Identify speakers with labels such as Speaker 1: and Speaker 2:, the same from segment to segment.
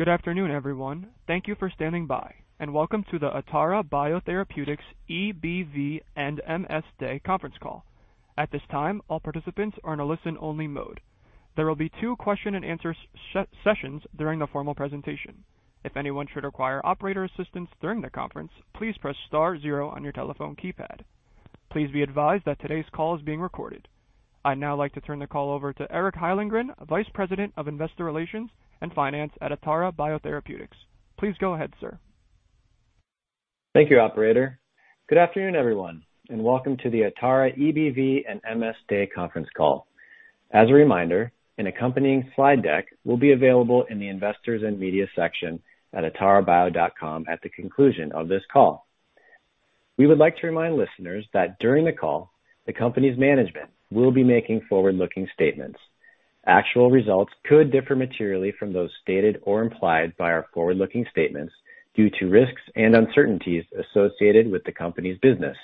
Speaker 1: Good afternoon, everyone. Thank you for standing by and welcome to the Atara Biotherapeutics EBV and MS Day conference call. At this time, all participants are in a listen-only mode. There will be two question and answer sessions during the formal presentation. If anyone should require operator assistance during the conference, please press star zero on your telephone keypad. Please be advised that today's call is being recorded. I'd now like to turn the call over to Eric Hyllengren, Vice President of Investor Relations and Finance at Atara Biotherapeutics. Please go ahead, sir.
Speaker 2: Thank you, operator. Good afternoon, everyone, and welcome to the Atara EBV and MS Day conference call. As a reminder, an accompanying slide deck will be available in the Investors and Media section at atarabio.com at the conclusion of this call. We would like to remind listeners that during the call, the company's management will be making forward-looking statements. Actual results could differ materially from those stated or implied by our forward-looking statements due to risks and uncertainties associated with the company's business.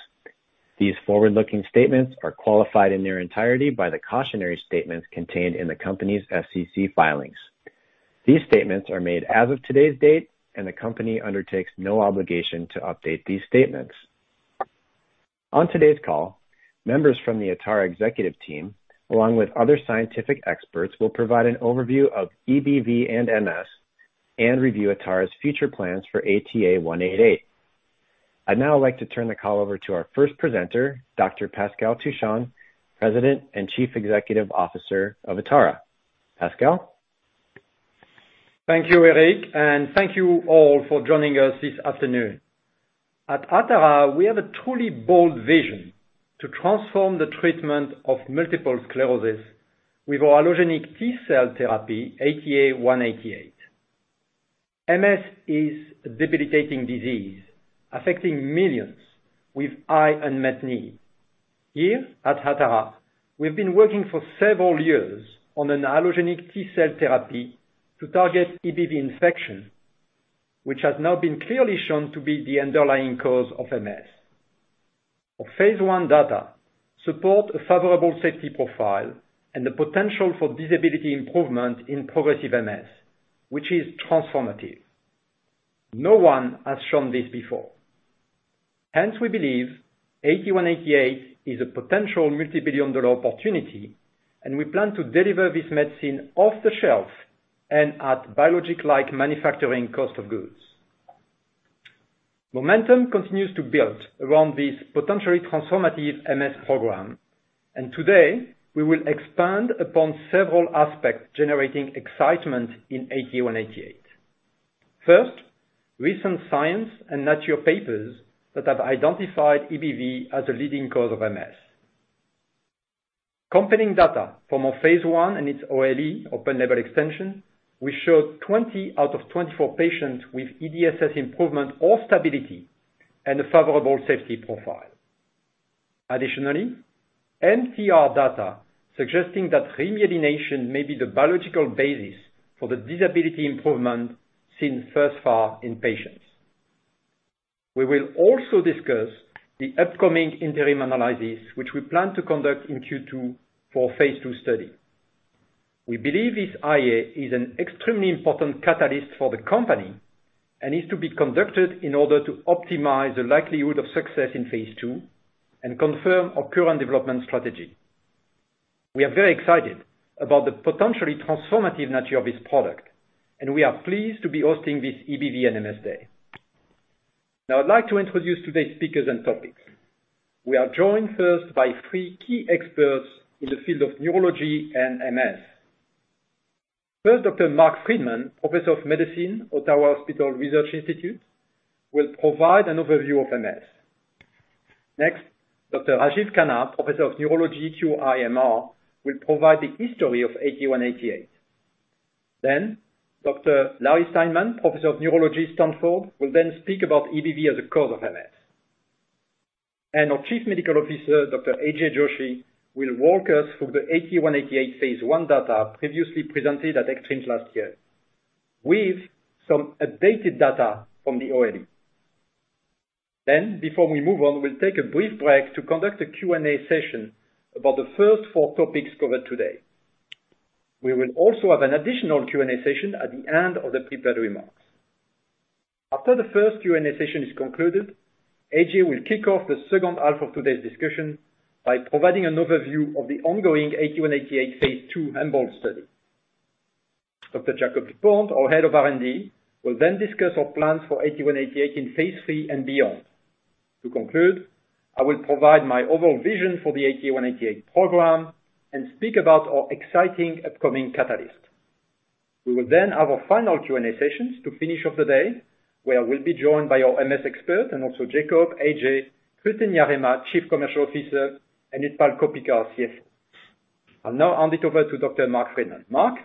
Speaker 2: These forward-looking statements are qualified in their entirety by the cautionary statements contained in the company's SEC filings. These statements are made as of today's date, and the company undertakes no obligation to update these statements. On today's call, members from the Atara executive team, along with other scientific experts, will provide an overview of EBV and MS and review Atara's future plans for ATA188. I'd now like to turn the call over to our first presenter, Dr. Pascal Touchon, President and Chief Executive Officer of Atara. Pascal?
Speaker 3: Thank you, Eric, and thank you all for joining us this afternoon. At Atara, we have a truly bold vision to transform the treatment of multiple sclerosis with our allogeneic T-cell therapy, ATA188. MS is a debilitating disease affecting millions with high unmet need. Here at Atara, we've been working for several years on an allogeneic T-cell therapy to target EBV infection, which has now been clearly shown to be the underlying cause of MS. Our phase I data support a favorable safety profile and the potential for disability improvement in progressive MS, which is transformative. No one has shown this before. Hence, we believe ATA188 is a potential multi-billion dollar opportunity, and we plan to deliver this medicine off the shelf and at biologic-like manufacturing cost of goods. Momentum continues to build around this potentially transformative MS program, and today we will expand upon several aspects generating excitement in ATA188. First, recent Science and Nature papers that have identified EBV as a leading cause of MS. Compelling data from our phase I and its OLE, open-label extension. We showed 20 out of 24 patients with EDSS improvement or stability and a favorable safety profile. Additionally, MTR data suggesting that remyelination may be the biological basis for the disability improvement seen thus far in patients. We will also discuss the upcoming interim analysis, which we plan to conduct in Q2 for phase II study. We believe this IA is an extremely important catalyst for the company and is to be conducted in order to optimize the likelihood of success in phase II and confirm our current development strategy. We are very excited about the potentially transformative nature of this product, and we are pleased to be hosting this EBV and MS Day. Now I'd like to introduce today's speakers and topics. We are joined first by three key experts in the field of neurology and MS. First, Dr. Mark Freedman, Professor of Medicine, Ottawa Hospital Research Institute, will provide an overview of MS. Next, Dr. Rajiv Khanna, Professor of Neurology at QIMR, will provide the history of ATA188. Then Dr. Larry Steinman, Professor of Neurology, Stanford, will then speak about EBV as a cause of MS. Our Chief Medical Officer, Dr. Manher Joshi, will walk us through the ATA188 phase I data previously presented at ECTRIMS last year, with some updated data from the OLE. Before we move on, we'll take a brief break to conduct a Q&A session about the first four topics covered today. We will also have an additional Q&A session at the end of the prepared remarks. After the first Q&A session is concluded, Ajay Joshi will kick off the second half of today's discussion by providing an overview of the ongoing ATA188 phase II EMBOLD study. Dr. Jakob Dupont, our Head of R&D, will then discuss our plans for ATA188 in phase III and beyond. To conclude, I will provide my overall vision for the ATA188 program and speak about our exciting upcoming catalyst. We will then have our final Q&A sessions to finish off the day, where we'll be joined by our MS expert and also Jakob, Ajay Joshi, Kristin Yarema, Chief Commercial Officer, and Utpal Koppikar, CFO. I'll now hand it over to Dr. Mark Freedman. Mark?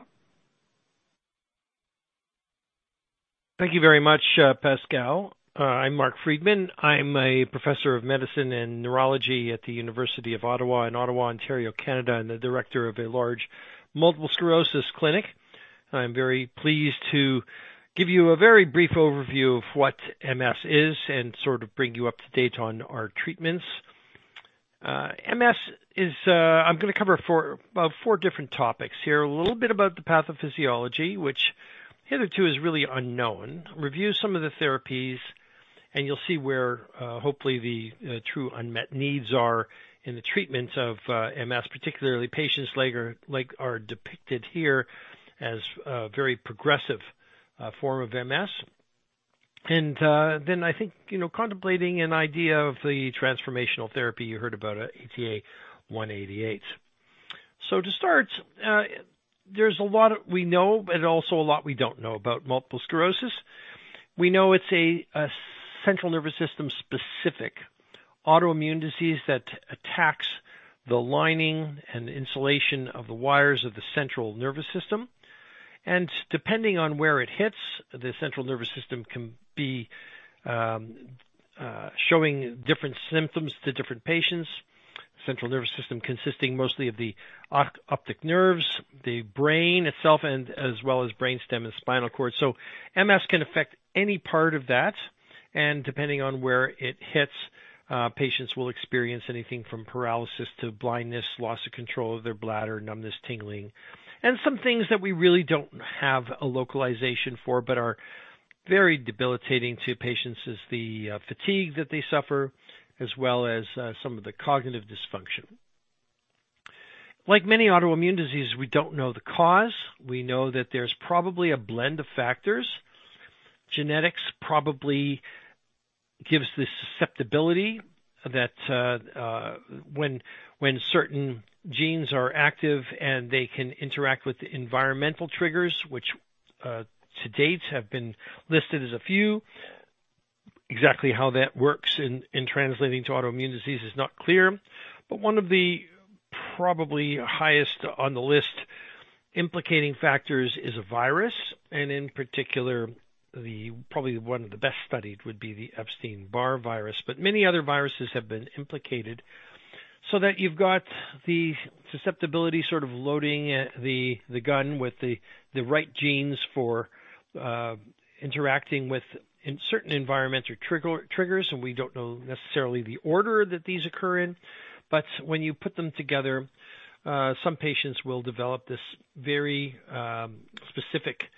Speaker 4: Thank you very much, Pascal. I'm Mark Freedman. I'm a professor of medicine and neurology at the University of Ottawa in Ottawa, Ontario, Canada, and the director of a large multiple sclerosis clinic. I'm very pleased to give you a very brief overview of what MS is and sort of bring you up to date on our treatments. MS is. I'm gonna cover four, about four different topics here. A little bit about the pathophysiology, which hitherto is really unknown. Review some of the therapies, and you'll see where, hopefully the true unmet needs are in the treatment of MS, particularly patients like are depicted here as a very progressive form of MS. I think, you know, contemplating an idea of the transformational therapy you heard about, ATA188. To start, there's a lot we know but also a lot we don't know about multiple sclerosis. We know it's a central nervous system-specific autoimmune disease that attacks the lining and insulation of the wires of the central nervous system. Depending on where it hits, the central nervous system can be showing different symptoms to different patients. central nervous system consisting mostly of the optic nerves, the brain itself, as well as brain stem and spinal cord. MS can affect any part of that. Depending on where it hits, patients will experience anything from paralysis to blindness, loss of control of their bladder, numbness, tingling. Some things that we really don't have a localization for but are very debilitating to patients is the fatigue that they suffer, as well as some of the cognitive dysfunction. Like many autoimmune diseases, we don't know the cause. We know that there's probably a blend of factors. Genetics probably gives the susceptibility that when certain genes are active and they can interact with environmental triggers, which to date have been listed as a few. Exactly how that works in translating to autoimmune disease is not clear. One of the probably highest on the list implicating factors is a virus, and in particular, probably one of the best studied would be the Epstein-Barr virus, but many other viruses have been implicated. That you've got the susceptibility sort of loading the gun with the right genes for interacting with certain environmental triggers, and we don't know necessarily the order that these occur in. When you put them together, some patients will develop this very specific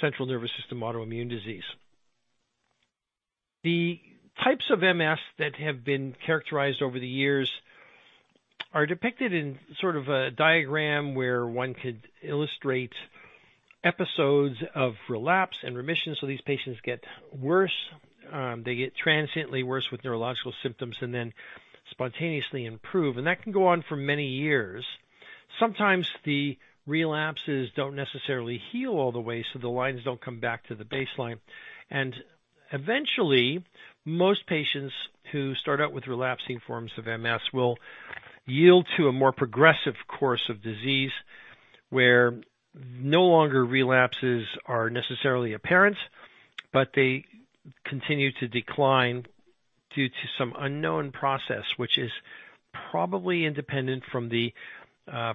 Speaker 4: central nervous system autoimmune disease. The types of MS that have been characterized over the years are depicted in sort of a diagram where one could illustrate episodes of relapse and remission. These patients get worse, they get transiently worse with neurological symptoms and then spontaneously improve. That can go on for many years. Sometimes the relapses don't necessarily heal all the way, so the lines don't come back to the baseline. Eventually, most patients who start out with relapsing forms of MS will yield to a more progressive course of disease, where no longer relapses are necessarily apparent, but they continue to decline due to some unknown process, which is probably independent from the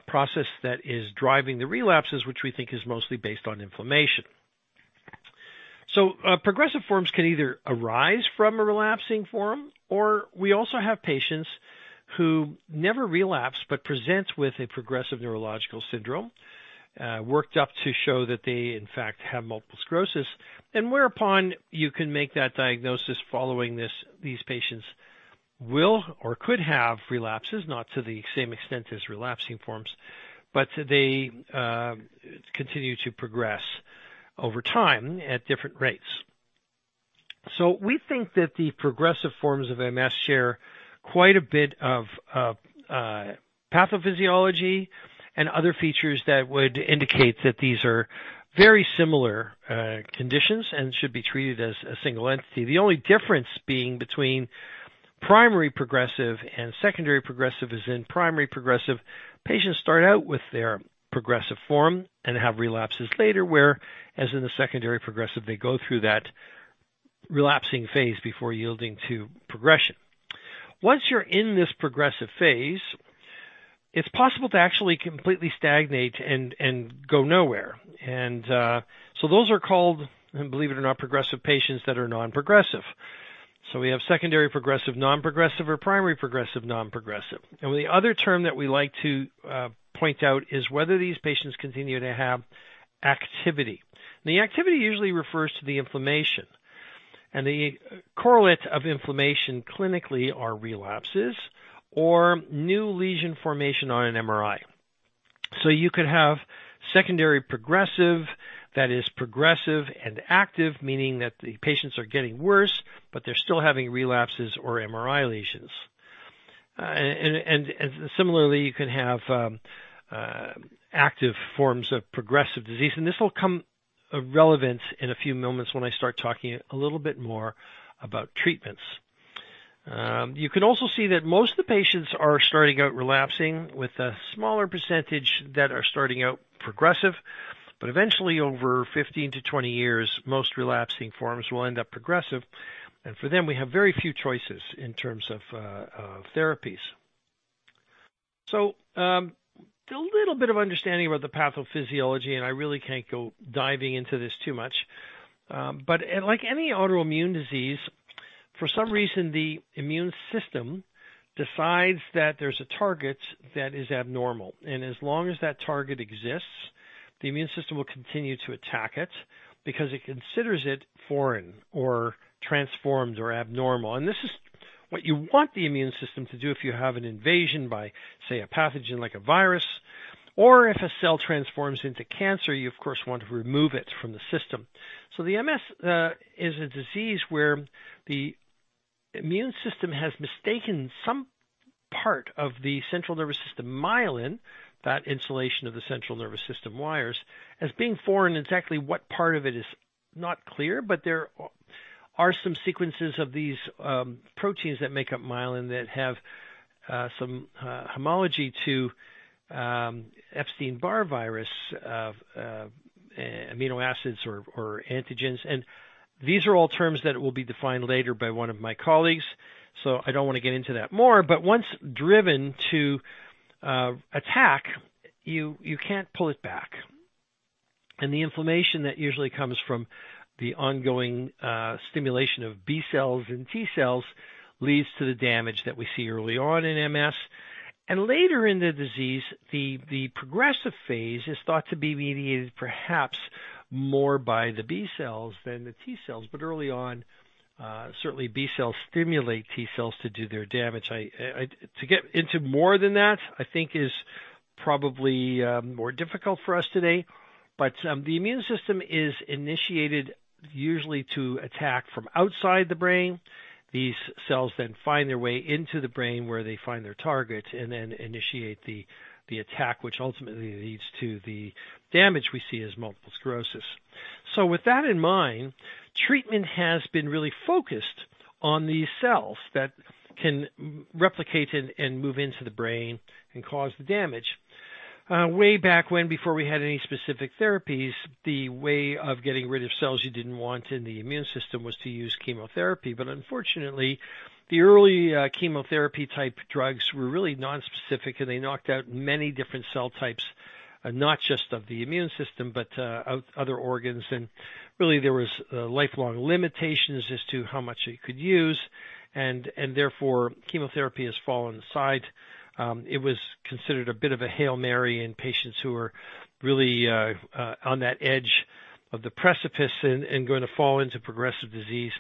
Speaker 4: process that is driving the relapses, which we think is mostly based on inflammation. Progressive forms can either arise from a relapsing form, or we also have patients who never relapse but present with a progressive neurological syndrome worked up to show that they in fact have multiple sclerosis. Whereupon you can make that diagnosis following this, these patients will or could have relapses, not to the same extent as relapsing forms, but they continue to progress over time at different rates. We think that the progressive forms of MS share quite a bit of pathophysiology and other features that would indicate that these are very similar conditions and should be treated as a single entity. The only difference being between primary progressive and secondary progressive is in primary progressive, patients start out with their progressive form and have relapses later, whereas in the secondary progressive, they go through that relapsing phase before yielding to progression. Once you're in this progressive phase, it's possible to actually completely stagnate and go nowhere. Those are called, believe it or not, progressive patients that are non-progressive. We have secondary progressive, non-progressive or primary progressive, non-progressive. The other term that we like to point out is whether these patients continue to have activity. The activity usually refers to the inflammation. The correlate of inflammation clinically are relapses or new lesion formation on an MRI. You could have secondary progressive that is progressive and active, meaning that the patients are getting worse but they're still having relapses or MRI lesions. Similarly, you can have active forms of progressive disease, and this will come of relevance in a few moments when I start talking a little bit more about treatments. You can also see that most of the patients are starting out relapsing with a smaller percentage that are starting out progressive. Eventually, over 15-20 years, most relapsing forms will end up progressive. For them, we have very few choices in terms of of therapies. A little bit of understanding about the pathophysiology, and I really can't go diving into this too much. Like any autoimmune disease, for some reason, the immune system decides that there's a target that is abnormal. As long as that target exists, the immune system will continue to attack it because it considers it foreign or transformed or abnormal. This is what you want the immune system to do if you have an invasion by, say, a pathogen like a virus, or if a cell transforms into cancer, you of course want to remove it from the system. The MS is a disease where the immune system has mistaken some part of the central nervous system myelin, that insulation of the central nervous system wires, as being foreign. Exactly what part of it is not clear, but there are some sequences of these proteins that make up myelin that have some homology to Epstein-Barr virus amino acids or antigens. These are all terms that will be defined later by one of my colleagues, so I don't wanna get into that more. Once driven to attack, you can't pull it back. The inflammation that usually comes from the ongoing stimulation of B cells and T cells leads to the damage that we see early on in MS. Later in the disease, the progressive phase is thought to be mediated perhaps more by the B cells than the T cells. Early on, certainly B cells stimulate T cells to do their damage. To get into more than that, I think is probably more difficult for us today. The immune system is initiated usually to attack from outside the brain. These cells then find their way into the brain where they find their target and then initiate the attack, which ultimately leads to the damage we see as multiple sclerosis. With that in mind, treatment has been really focused on these cells that can replicate and move into the brain and cause the damage. Way back when, before we had any specific therapies, the way of getting rid of cells you didn't want in the immune system was to use chemotherapy. Unfortunately, the early chemotherapy-type drugs were really nonspecific, and they knocked out many different cell types, not just of the immune system but other organs. Really there was lifelong limitations as to how much you could use, and therefore, chemotherapy has fallen aside. It was considered a bit of a Hail Mary in patients who were really on that edge of the precipice and gonna fall into progressive disease.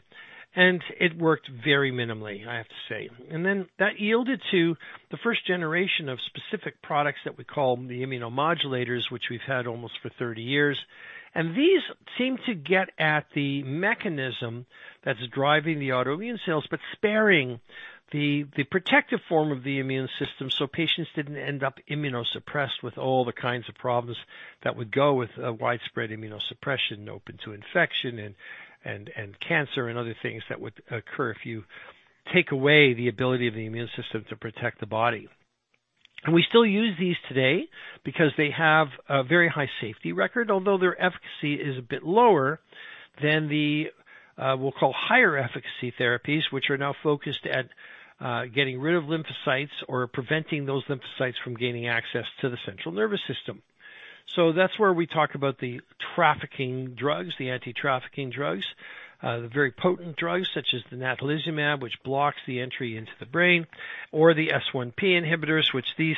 Speaker 4: It worked very minimally, I have to say. Then that yielded to the first generation of specific products that we call the immunomodulators, which we've had almost for 30 years. These seem to get at the mechanism that's driving the autoimmune cells but sparing the protective form of the immune system so patients didn't end up immunosuppressed with all the kinds of problems that would go with a widespread immunosuppression, open to infection and cancer and other things that would occur if you take away the ability of the immune system to protect the body. We still use these today because they have a very high safety record, although their efficacy is a bit lower than the we'll call higher efficacy therapies, which are now focused at getting rid of lymphocytes or preventing those lymphocytes from gaining access to the central nervous system. That's where we talk about the trafficking drugs, the anti-trafficking drugs, the very potent drugs such as the natalizumab, which blocks the entry into the brain, or the S1P inhibitors, which these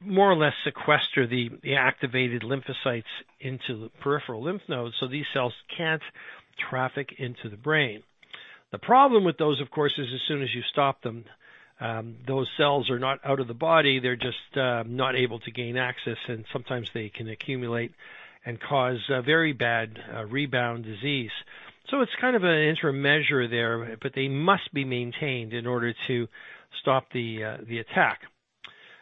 Speaker 4: more or less sequester the activated lymphocytes into the peripheral lymph nodes, so these cells can't traffic into the brain. The problem with those, of course, is as soon as you stop them, those cells are not out of the body. They're just not able to gain access, and sometimes they can accumulate and cause a very bad rebound disease. It's kind of an interim measure there, but they must be maintained in order to stop the attack.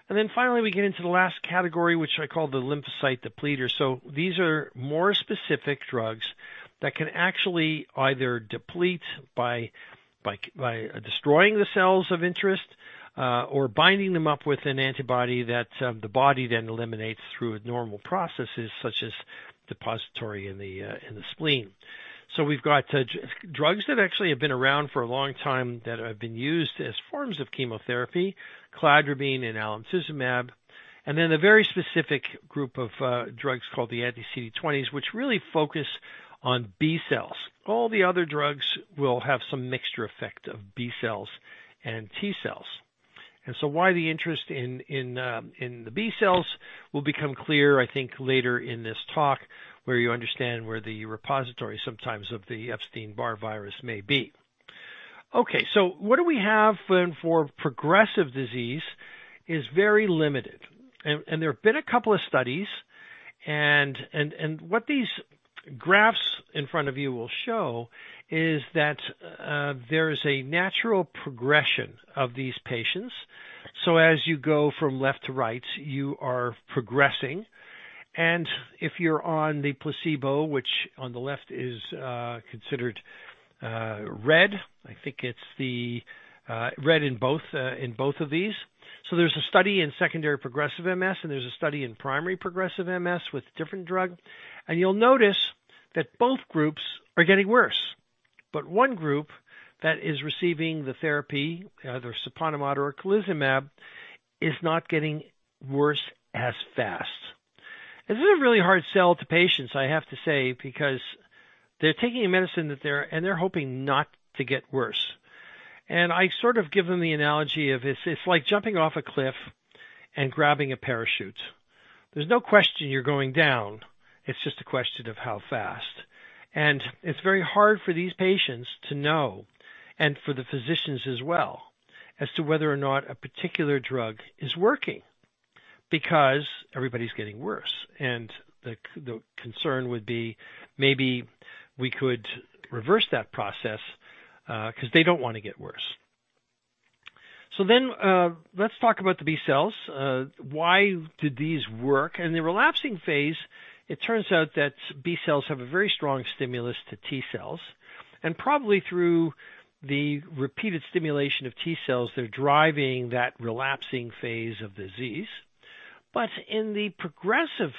Speaker 4: Finally, we get into the last category, which I call the lymphocyte depleters. These are more specific drugs that can actually either deplete by destroying the cells of interest, or binding them up with an antibody that the body then eliminates through normal processes such as phagocytosis in the spleen. We've got drugs that actually have been around for a long time that have been used as forms of chemotherapy, cladribine and alemtuzumab. Then a very specific group of drugs called the anti-CD20s, which really focus on B cells. All the other drugs will have some mixture effect of B cells and T cells. Why the interest in the B cells will become clear, I think, later in this talk where you understand where the reservoir sometimes of the Epstein-Barr virus may be. What do we have then for progressive disease is very limited. There have been a couple of studies and what these graphs in front of you will show is that there is a natural progression of these patients. As you go from left to right, you are progressing. If you're on the placebo, which on the left is considered red, I think it's the red in both of these. There's a study in secondary progressive MS, and there's a study in primary progressive MS with different drug. You'll notice that both groups are getting worse. One group that is receiving the therapy, either siponimod or cladribine, is not getting worse as fast. This is a really hard sell to patients, I have to say, because they're taking a medicine that they're hoping not to get worse. I sort of give them the analogy of it's like jumping off a cliff and grabbing a parachute. There's no question you're going down. It's just a question of how fast. It's very hard for these patients to know, and for the physicians as well, as to whether or not a particular drug is working because everybody's getting worse. The concern would be maybe we could reverse that process, 'cause they don't wanna get worse. Let's talk about the B cells. Why did these work? In the relapsing phase, it turns out that B cells have a very strong stimulus to T cells, and probably through the repeated stimulation of T cells, they're driving that relapsing phase of disease. But in the progressive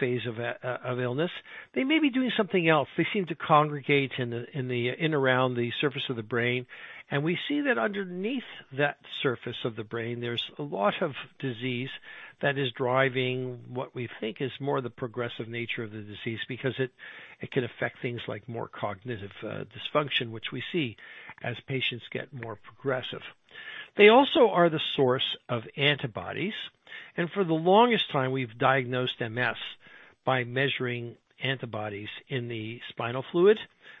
Speaker 4: phase of illness, they may be doing something else. They seem to congregate in and around the surface of the brain, and we see that underneath that surface of the brain, there's a lot of disease that is driving what we think is more the progressive nature of the disease because it can affect things like more cognitive dysfunction, which we see as patients get more progressive. They also are the source of antibodies, and for the longest time, we've diagnosed MS by measuring antibodies in the spinal fluid,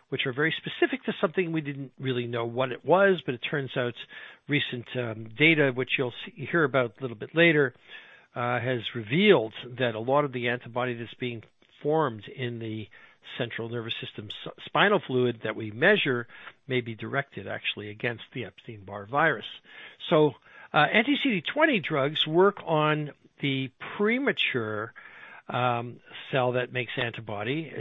Speaker 4: which are very specific to something we didn't really know what it was, but it turns out recent data, which you'll hear about a little bit later, has revealed that a lot of the antibody that's being formed in the central nervous system, spinal fluid that we measure may be directed actually against the Epstein-Barr virus. Anti-CD20 drugs work on the plasma cell that makes antibody.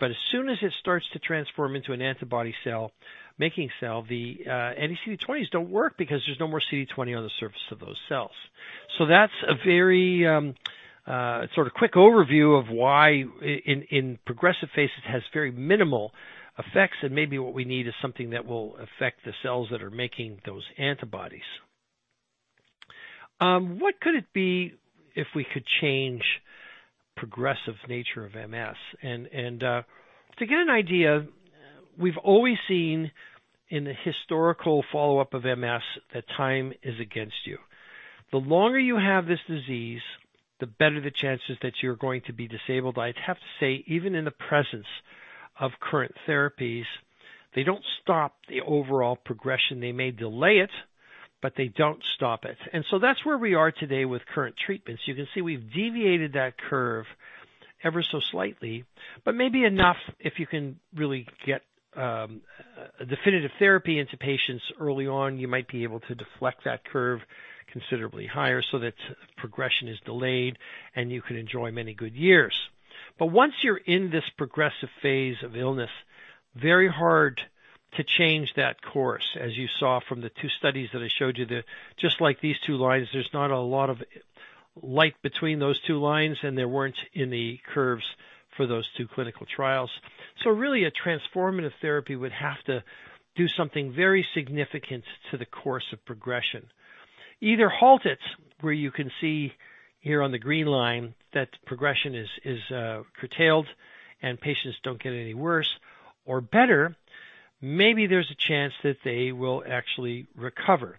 Speaker 4: But as soon as it starts to transform into an antibody-making cell, the anti-CD20s don't work because there's no more CD20 on the surface of those cells. That's a very sort of quick overview of why in progressive phases has very minimal effects, and maybe what we need is something that will affect the cells that are making those antibodies. What could it be if we could change progressive nature of MS? To get an idea, we've always seen in the historical follow-up of MS that time is against you. The longer you have this disease, the better the chances that you're going to be disabled. I'd have to say even in the presence of current therapies, they don't stop the overall progression. They may delay it, but they don't stop it. That's where we are today with current treatments. You can see we've deviated that curve ever so slightly, but maybe enough if you can really get a definitive therapy into patients early on, you might be able to deflect that curve considerably higher so that progression is delayed, and you can enjoy many good years. But once you're in this progressive phase of illness, very hard to change that course, as you saw from the two studies that I showed you. Just like these two lines, there's not a lot of light between those two lines, and there weren't any curves for those two clinical trials. Really a transformative therapy would have to do something very significant to the course of progression. Either halt it, where you can see here on the green line that progression is curtailed and patients don't get any worse, or better, maybe there's a chance that they will actually recover.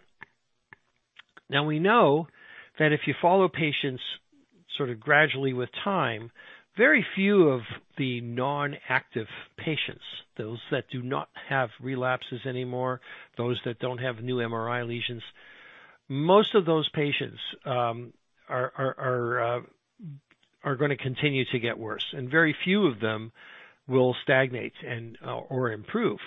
Speaker 4: Now we know that if you follow patients sort of gradually with time, very few of the non-active patients, those that do not have relapses anymore, those that don't have new MRI lesions, most of those patients are gonna continue to get worse, and very few of them will stagnate or improve.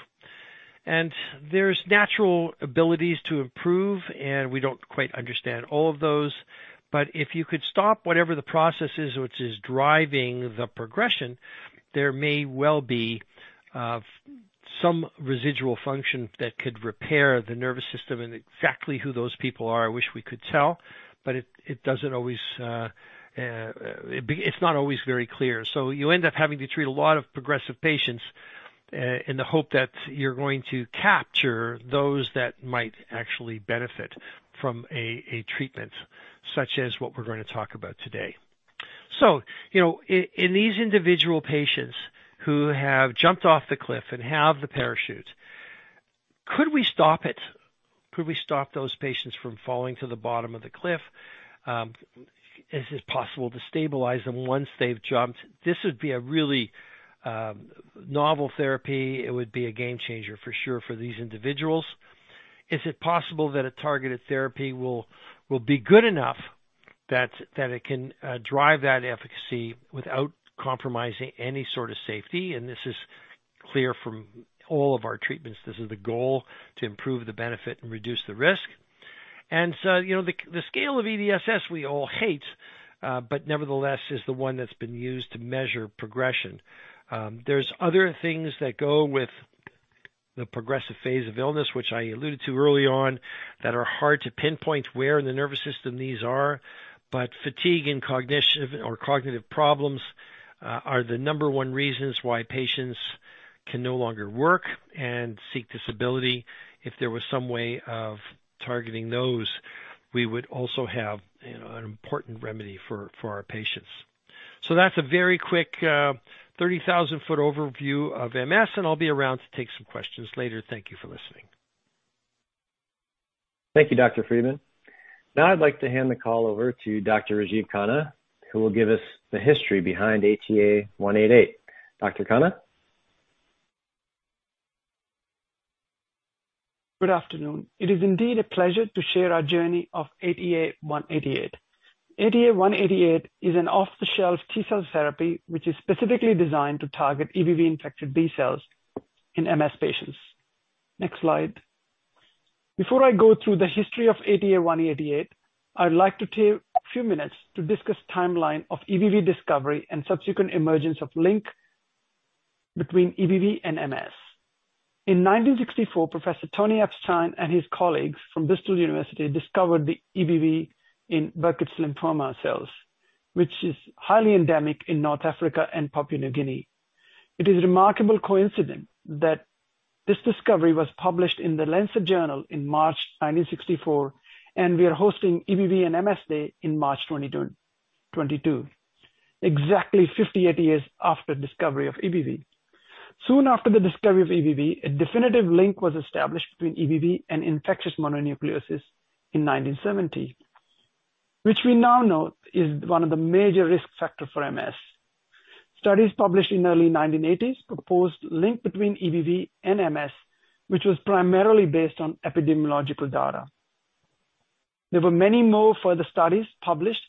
Speaker 4: There's natural abilities to improve, and we don't quite understand all of those. If you could stop whatever the process is which is driving the progression, there may well be some residual function that could repair the nervous system, and exactly who those people are, I wish we could tell, but it's not always very clear. You end up having to treat a lot of progressive patients in the hope that you're going to capture those that might actually benefit from a treatment, such as what we're going to talk about today. You know, in these individual patients who have jumped off the cliff and have the parachute, could we stop it? Could we stop those patients from falling to the bottom of the cliff? Is it possible to stabilize them once they've jumped? This would be a really novel therapy. It would be a game changer for sure for these individuals. Is it possible that a targeted therapy will be good enough that it can drive that efficacy without compromising any sort of safety? This is clear from all of our treatments. This is the goal, to improve the benefit and reduce the risk. The scale of EDSS we all hate, but nevertheless is the one that's been used to measure progression. There's other things that go with the progressive phase of illness, which I alluded to early on, that are hard to pinpoint where in the nervous system these are. Fatigue and cognition or cognitive problems are the number one reasons why patients can no longer work and seek disability. If there was some way of targeting those, we would also have, you know, an important remedy for our patients. That's a very quick 30,000-foot overview of MS, and I'll be around to take some questions later. Thank you for listening.
Speaker 2: Thank you, Dr. Freedman. Now I'd like to hand the call over to Dr. Rajiv Khanna, who will give us the history behind ATA188. Dr. Khanna?
Speaker 5: Good afternoon. It is indeed a pleasure to share our journey of ATA188. ATA188 is an off-the-shelf T-cell therapy which is specifically designed to target EBV-infected B cells in MS patients. Next slide. Before I go through the history of ATA188, I would like to take a few minutes to discuss timeline of EBV discovery and subsequent emergence of link between EBV and MS. In 1964, Professor Tony Epstein and his colleagues from University of Bristol discovered the EBV in Burkitt lymphoma cells, which is highly endemic in Equatorial Africa and Papua New Guinea. It is remarkable coincidence that this discovery was published in The Lancet journal in March 1964, and we are hosting EBV and MS day in March 2022, exactly 58 years after discovery of EBV. Soon after the discovery of EBV, a definitive link was established between EBV and infectious mononucleosis in 1970, which we now know is one of the major risk factor for MS. Studies published in early 1980s proposed link between EBV and MS, which was primarily based on epidemiological data. There were many more further studies published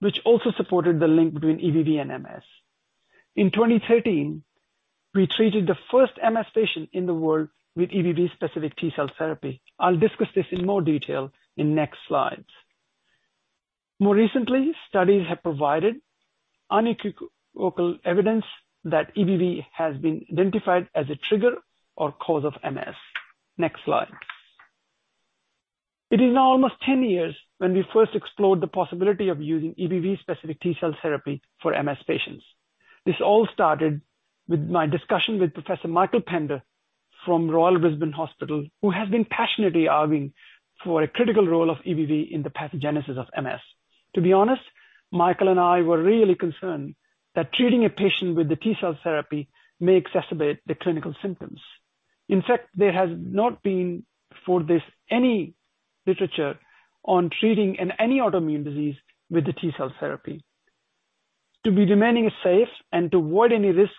Speaker 5: which also supported the link between EBV and MS. In 2013, we treated the first MS patient in the world with EBV-specific T-cell therapy. I'll discuss this in more detail in next slides. More recently, studies have provided unequivocal evidence that EBV has been identified as a trigger or cause of MS. Next slide. It is now almost 10 years when we first explored the possibility of using EBV-specific T-cell therapy for MS patients. This all started with my discussion with Professor Michael Pender from Royal Brisbane and Women's Hospital, who has been passionately arguing for a critical role of EBV in the pathogenesis of MS. To be honest, Michael and I were really concerned that treating a patient with the T-cell therapy may exacerbate the clinical symptoms. In fact, there has not been for this any literature on treating in any autoimmune disease with the T-cell therapy. To remain safe and to avoid any risk,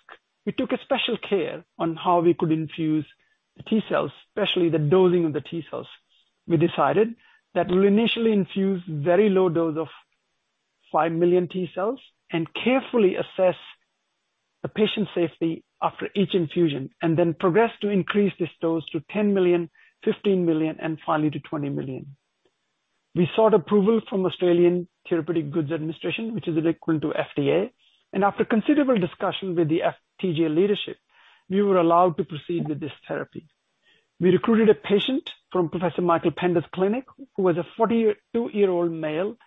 Speaker 5: we took a special care on how we could infuse the T-cells, especially the dosing of the T-cells. We decided that we'll initially infuse very low dose of 5 million T-cells and carefully assess the patient safety after each infusion, and then progress to increase this dose to 10 million, 15 million, and finally to 20 million. We sought approval from Australian Therapeutic Goods Administration, which is equivalent to FDA, and after considerable discussion with the TGA leadership, we were allowed to proceed with this therapy. We recruited a patient from Professor Michael Pender's clinic who was a 42-year-old male,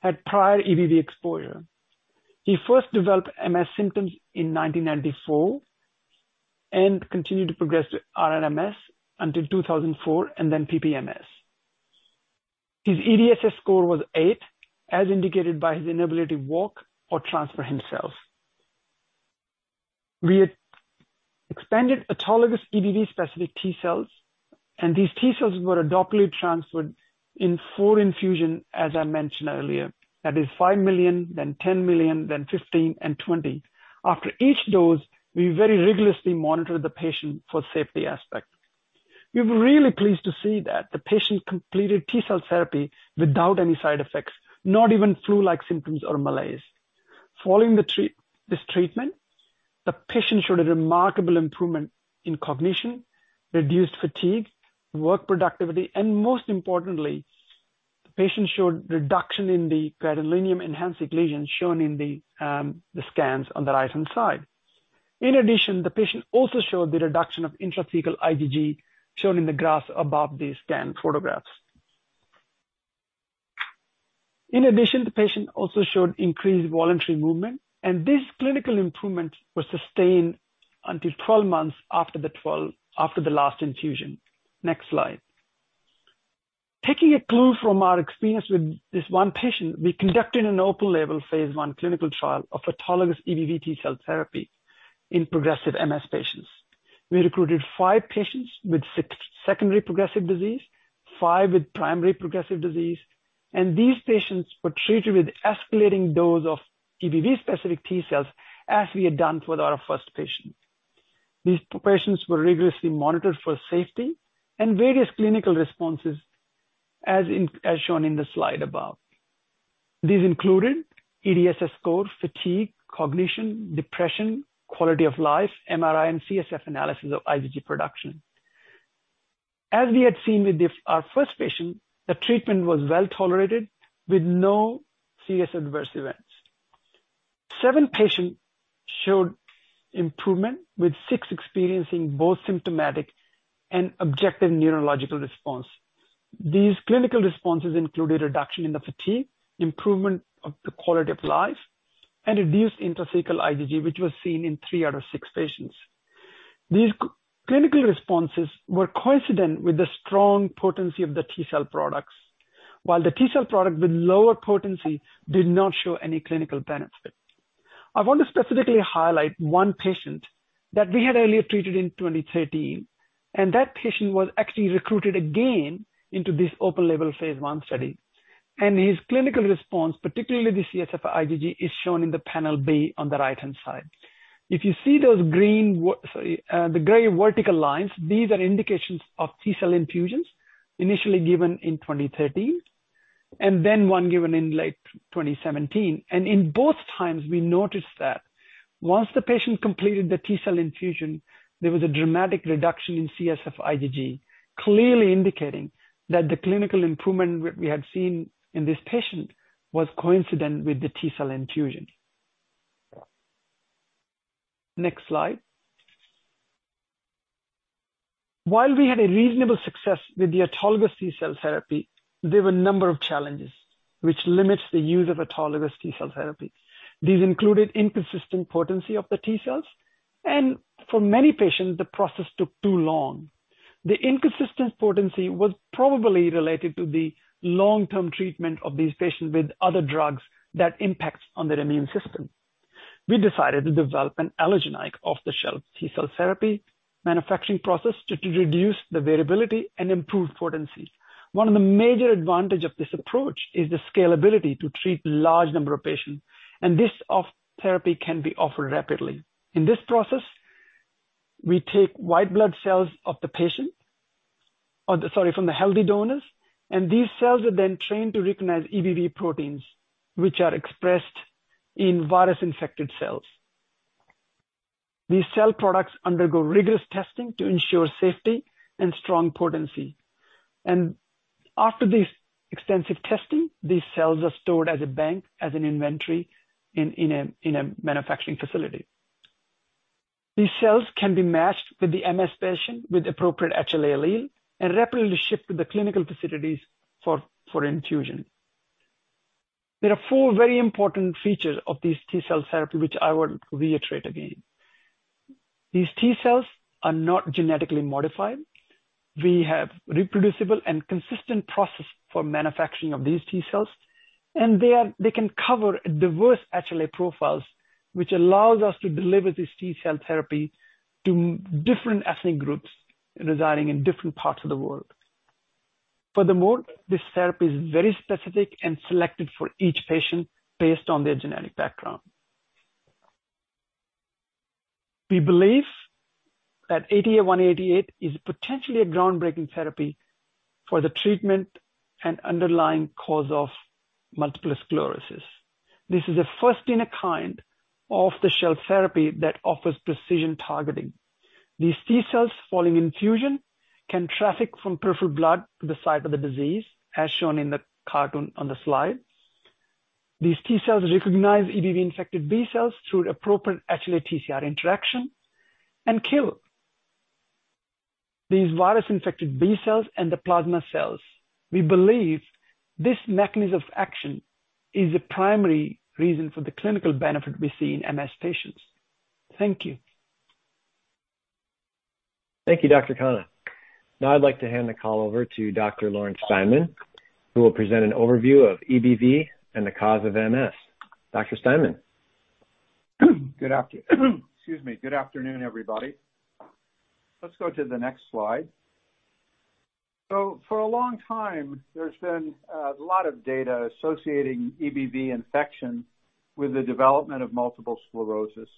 Speaker 5: had prior EBV exposure. He first developed MS symptoms in 1994 and continued to progress to RRMS until 2004, and then PPMS. His EDSS score was eight, as indicated by his inability to walk or transfer himself. We had expanded autologous EBV-specific T-cells, and these T-cells were adoptively transferred in four infusion, as I mentioned earlier. That is 5 million, then 10 million, then 15 and 20. After each dose, we very rigorously monitored the patient for safety aspect. We were really pleased to see that the patient completed T-cell therapy without any side effects, not even flu-like symptoms or malaise. Following this treatment, the patient showed a remarkable improvement in cognition, reduced fatigue, work productivity, and most importantly, the patient showed reduction in the gadolinium enhancement lesions shown in the scans on the right-hand side. In addition, the patient also showed the reduction of intrathecal IgG, shown in the graphs above these scan photographs. In addition, the patient also showed increased voluntary movement, and this clinical improvement was sustained until 12 months after the last infusion. Next slide. Taking a clue from our experience with this one patient, we conducted an open-label phase I clinical trial of autologous EBV T-cell therapy in progressive MS patients. We recruited five patients with secondary progressive disease, five with primary progressive disease, and these patients were treated with escalating dose of EBV-specific T-cells, as we had done with our first patient. These patients were rigorously monitored for safety and various clinical responses, as shown in the slide above. These included EDSS scores, fatigue, cognition, depression, quality of life, MRI and CSF analysis of IgG production. As we had seen with our first patient, the treatment was well-tolerated with no serious adverse events. Seven patients showed improvement, with six experiencing both symptomatic and objective neurological response. These clinical responses included reduction in the fatigue, improvement of the quality of life, and reduced intrathecal IgG, which was seen in three out of six patients. These clinical responses were coincident with the strong potency of the T cell products. While the T cell product with lower potency did not show any clinical benefit. I want to specifically highlight one patient that we had earlier treated in 2013, and that patient was actually recruited again into this open-label phase I study. His clinical response, particularly the CSF IgG, is shown in the panel B on the right-hand side. If you see those gray vertical lines, these are indications of T cell infusions initially given in 2013 and then one given in late 2017. In both times, we noticed that once the patient completed the T cell infusion, there was a dramatic reduction in CSF IgG, clearly indicating that the clinical improvement we had seen in this patient was coincident with the T cell infusion. Next slide. While we had a reasonable success with the autologous T cell therapy, there were a number of challenges which limits the use of autologous T cell therapy. These included inconsistent potency of the T cells, and for many patients, the process took too long. The inconsistent potency was probably related to the long-term treatment of these patients with other drugs that impacts on their immune system. We decided to develop an allogeneic off-the-shelf T cell therapy manufacturing process to reduce the variability and improve potency. One of the major advantage of this approach is the scalability to treat large number of patients, and this off therapy can be offered rapidly. In this process, we take white blood cells of the patient, from the healthy donors, and these cells are then trained to recognize EBV proteins, which are expressed in virus-infected cells. These cell products undergo rigorous testing to ensure safety and strong potency. After this extensive testing, these cells are stored as a bank, as an inventory in a manufacturing facility. These cells can be matched with the MS patient with appropriate HLA allele and rapidly shipped to the clinical facilities for infusion. There are four very important features of this T cell therapy which I will reiterate again. These T cells are not genetically modified. We have reproducible and consistent process for manufacturing of these T cells, and they can cover diverse HLA profiles, which allows us to deliver this T cell therapy to different ethnic groups residing in different parts of the world. Furthermore, this therapy is very specific and selected for each patient based on their genetic background. We believe that ATA188 is potentially a groundbreaking therapy for the treatment and underlying cause of multiple sclerosis. This is a first-in-kind off-the-shelf therapy that offers precision targeting. These T cells, following infusion, can traffic from peripheral blood to the site of the disease, as shown in the cartoon on the slide. These T cells recognize EBV-infected B cells through appropriate HLA TCR interaction and kill these virus-infected B cells and the plasma cells. We believe this mechanism of action is the primary reason for the clinical benefit we see in MS patients. Thank you.
Speaker 2: Thank you, Dr. Khanna. Now I'd like to hand the call over to Dr. Larry Steinman, who will present an overview of EBV and the cause of MS. Dr. Steinman.
Speaker 6: Good afternoon, everybody. Let's go to the next slide. For a long time, there's been a lot of data associating EBV infection with the development of multiple sclerosis,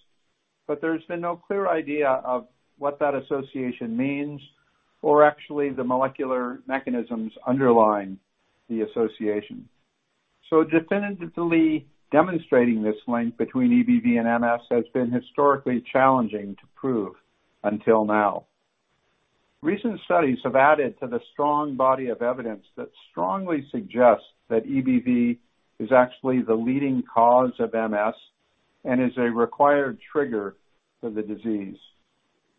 Speaker 6: but there's been no clear idea of what that association means or actually the molecular mechanisms underlying the association. Definitively demonstrating this link between EBV and MS has been historically challenging to prove until now. Recent studies have added to the strong body of evidence that strongly suggests that EBV is actually the leading cause of MS and is a required trigger for the disease.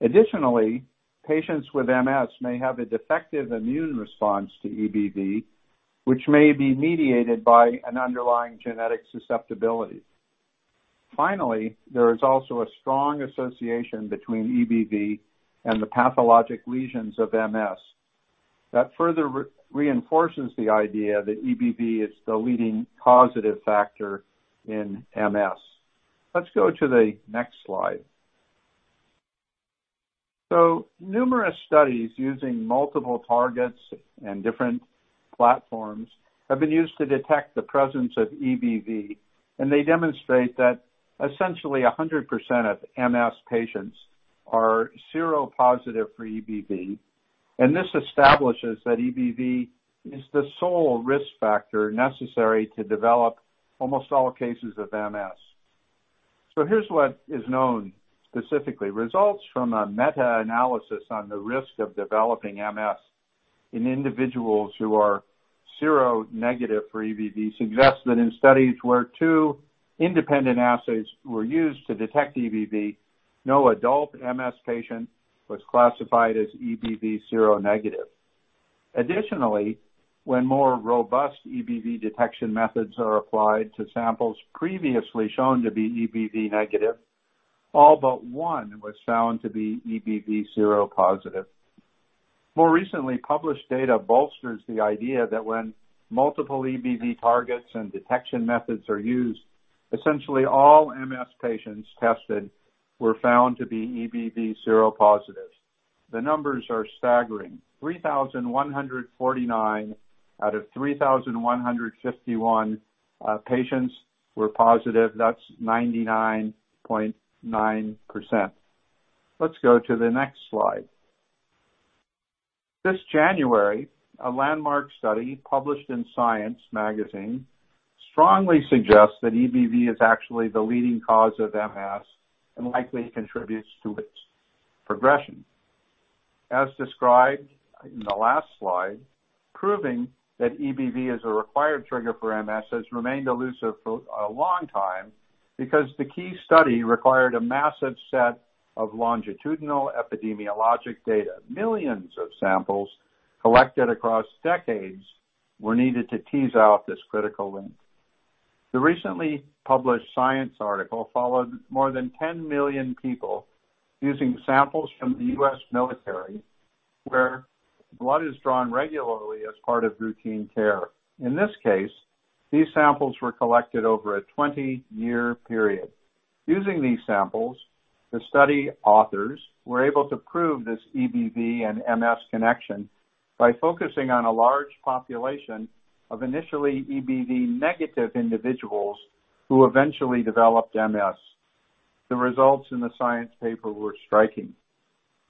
Speaker 6: Additionally, patients with MS may have a defective immune response to EBV, which may be mediated by an underlying genetic susceptibility. Finally, there is also a strong association between EBV and the pathologic lesions of MS. That further reinforces the idea that EBV is the leading causative factor in MS. Let's go to the next slide. Numerous studies using multiple targets and different platforms have been used to detect the presence of EBV, and they demonstrate that essentially 100% of MS patients are seropositive for EBV. This establishes that EBV is the sole risk factor necessary to develop almost all cases of MS. Here's what is known specifically. Results from a meta-analysis on the risk of developing MS in individuals who are seronegative for EBV, suggests that in studies where two independent assays were used to detect EBV, no adult MS patient was classified as EBV seronegative. Additionally, when more robust EBV detection methods are applied to samples previously shown to be EBV negative, all but one was found to be EBV seropositive. More recently, published data bolsters the idea that when multiple EBV targets and detection methods are used, essentially all MS patients tested were found to be EBV seropositive. The numbers are staggering, 3,149 out of 3,151 patients were positive. That's 99.9%. Let's go to the next slide. This January, a landmark study published in Science strongly suggests that EBV is actually the leading cause of MS and likely contributes to its progression. As described in the last slide, proving that EBV is a required trigger for MS has remained elusive for a long time because the key study required a massive set of longitudinal epidemiologic data. Millions of samples collected across decades were needed to tease out this critical link. The recently published Science article followed more than 10 million people using samples from the U.S. military, where blood is drawn regularly as part of routine care. In this case, these samples were collected over a 20-year period. Using these samples, the study authors were able to prove this EBV and MS connection by focusing on a large population of initially EBV negative individuals who eventually developed MS. The results in the Science paper were striking.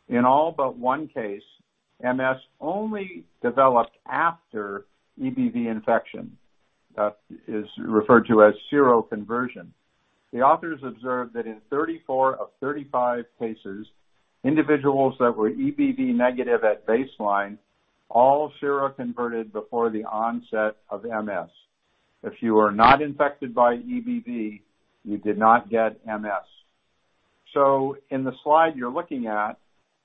Speaker 6: In all but one case, MS only developed after EBV infection. That is referred to as seroconversion. The authors observed that in 34 of 35 cases, individuals that were EBV negative at baseline all seroconverted before the onset of MS. If you were not infected by EBV, you did not get MS. In the slide you're looking at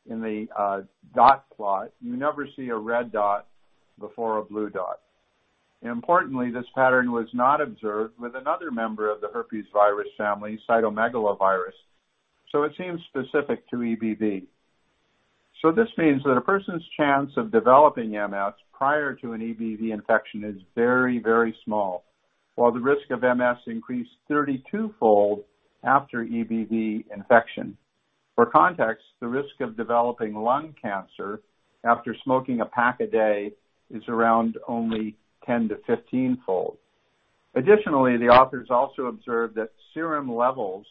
Speaker 6: in the dot plot, you never see a red dot before a blue dot. Importantly, this pattern was not observed with another member of the herpes virus family, cytomegalovirus, so it seems specific to EBV. This means that a person's chance of developing MS prior to an EBV infection is very, very small. While the risk of MS increased 32-fold after EBV infection. For context, the risk of developing lung cancer after smoking a pack a day is around only 10- to 15-fold. Additionally, the authors also observed that serum levels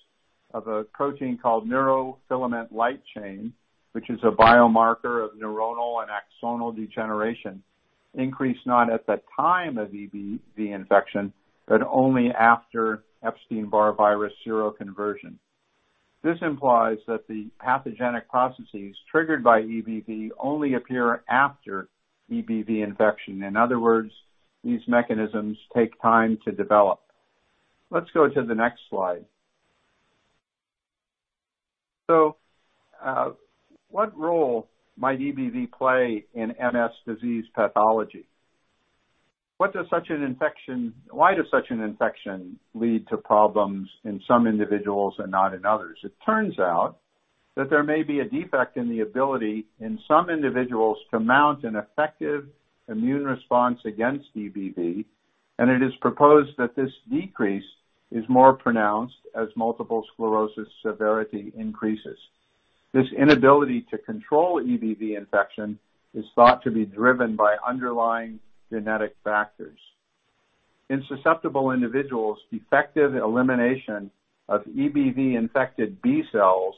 Speaker 6: of a protein called neurofilament light chain, which is a biomarker of neuronal and axonal degeneration, increased not at the time of EBV infection but only after Epstein-Barr virus seroconversion. This implies that the pathogenic processes triggered by EBV only appear after EBV infection. In other words, these mechanisms take time to develop. Let's go to the next slide. What role might EBV play in MS disease pathology? What does such an infection—why does such an infection lead to problems in some individuals and not in others? It turns out that there may be a defect in the ability in some individuals to mount an effective immune response against EBV, and it is proposed that this decrease is more pronounced as multiple sclerosis severity increases. This inability to control EBV infection is thought to be driven by underlying genetic factors. In susceptible individuals, defective elimination of EBV-infected B cells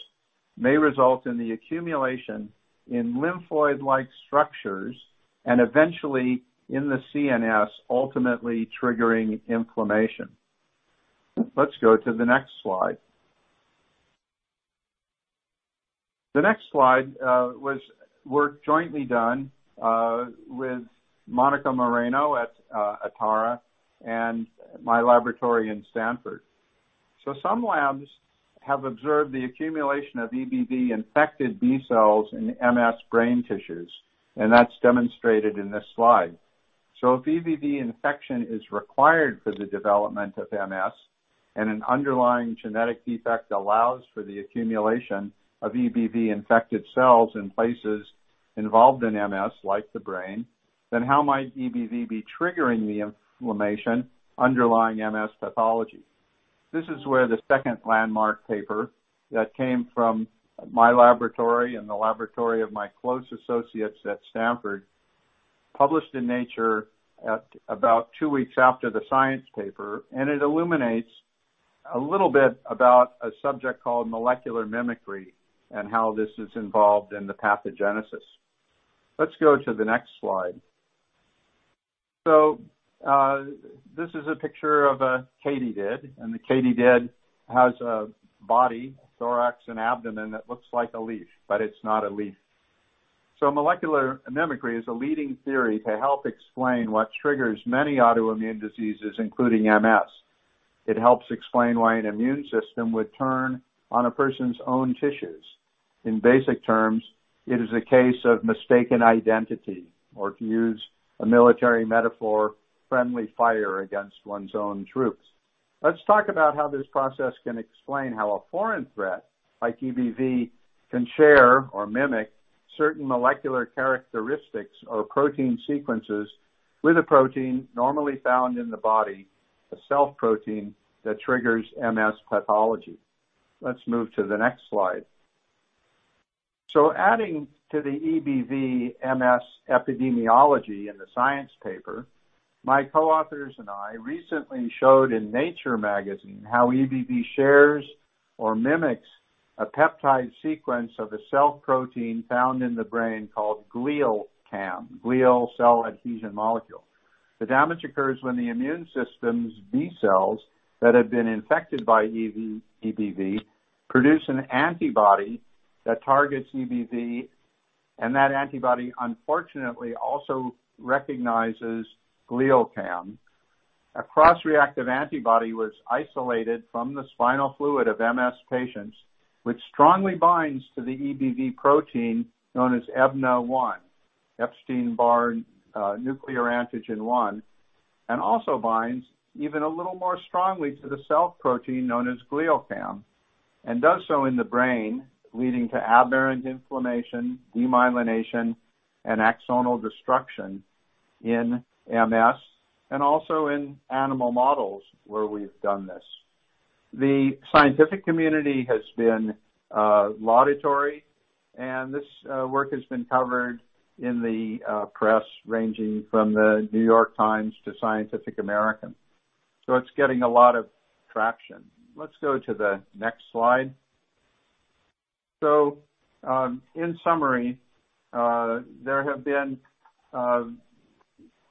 Speaker 6: may result in the accumulation in lymphoid-like structures and eventually in the CNS, ultimately triggering inflammation. Let's go to the next slide. The next slide was work jointly done with Monica Moreno at Atara and my laboratory in Stanford. Some labs have observed the accumulation of EBV-infected B cells in MS brain tissues, and that's demonstrated in this slide. If EBV infection is required for the development of MS and an underlying genetic defect allows for the accumulation of EBV-infected cells in places involved in MS, like the brain, then how might EBV be triggering the inflammation underlying MS pathology? This is where the second landmark paper that came from my laboratory and the laboratory of my close associates at Stanford, published in Nature at about two weeks after the Science paper, and it illuminates a little bit about a subject called molecular mimicry and how this is involved in the pathogenesis. Let's go to the next slide. This is a picture of a katydid, and the katydid has a body, thorax, and abdomen that looks like a leaf, but it's not a leaf. Molecular mimicry is a leading theory to help explain what triggers many autoimmune diseases, including MS. It helps explain why an immune system would turn on a person's own tissues. In basic terms, it is a case of mistaken identity, or to use a military metaphor, friendly fire against one's own troops. Let's talk about how this process can explain how a foreign threat like EBV can share or mimic certain molecular characteristics or protein sequences with a protein normally found in the body, a self-protein that triggers MS pathology. Let's move to the next slide. Adding to the EBV MS epidemiology in the Science paper, my co-authors and I recently showed in Nature magazine how EBV shares or mimics a peptide sequence of a self-protein found in the brain called GlialCAM, glial cell adhesion molecule. The damage occurs when the immune system's B cells that have been infected by EBV produce an antibody that targets EBV, and that antibody unfortunately also recognizes GlialCAM. A cross-reactive antibody was isolated from the spinal fluid of MS patients, which strongly binds to the EBV protein known as EBNA-1, Epstein-Barr nuclear antigen one, and also binds even a little more strongly to the self-protein known as GlialCAM, and does so in the brain, leading to aberrant inflammation, demyelination, and axonal destruction in MS and also in animal models where we've done this. The scientific community has been laudatory, and this work has been covered in the press ranging from The New York Times to Scientific American, so it's getting a lot of traction. Let's go to the next slide. In summary, there's been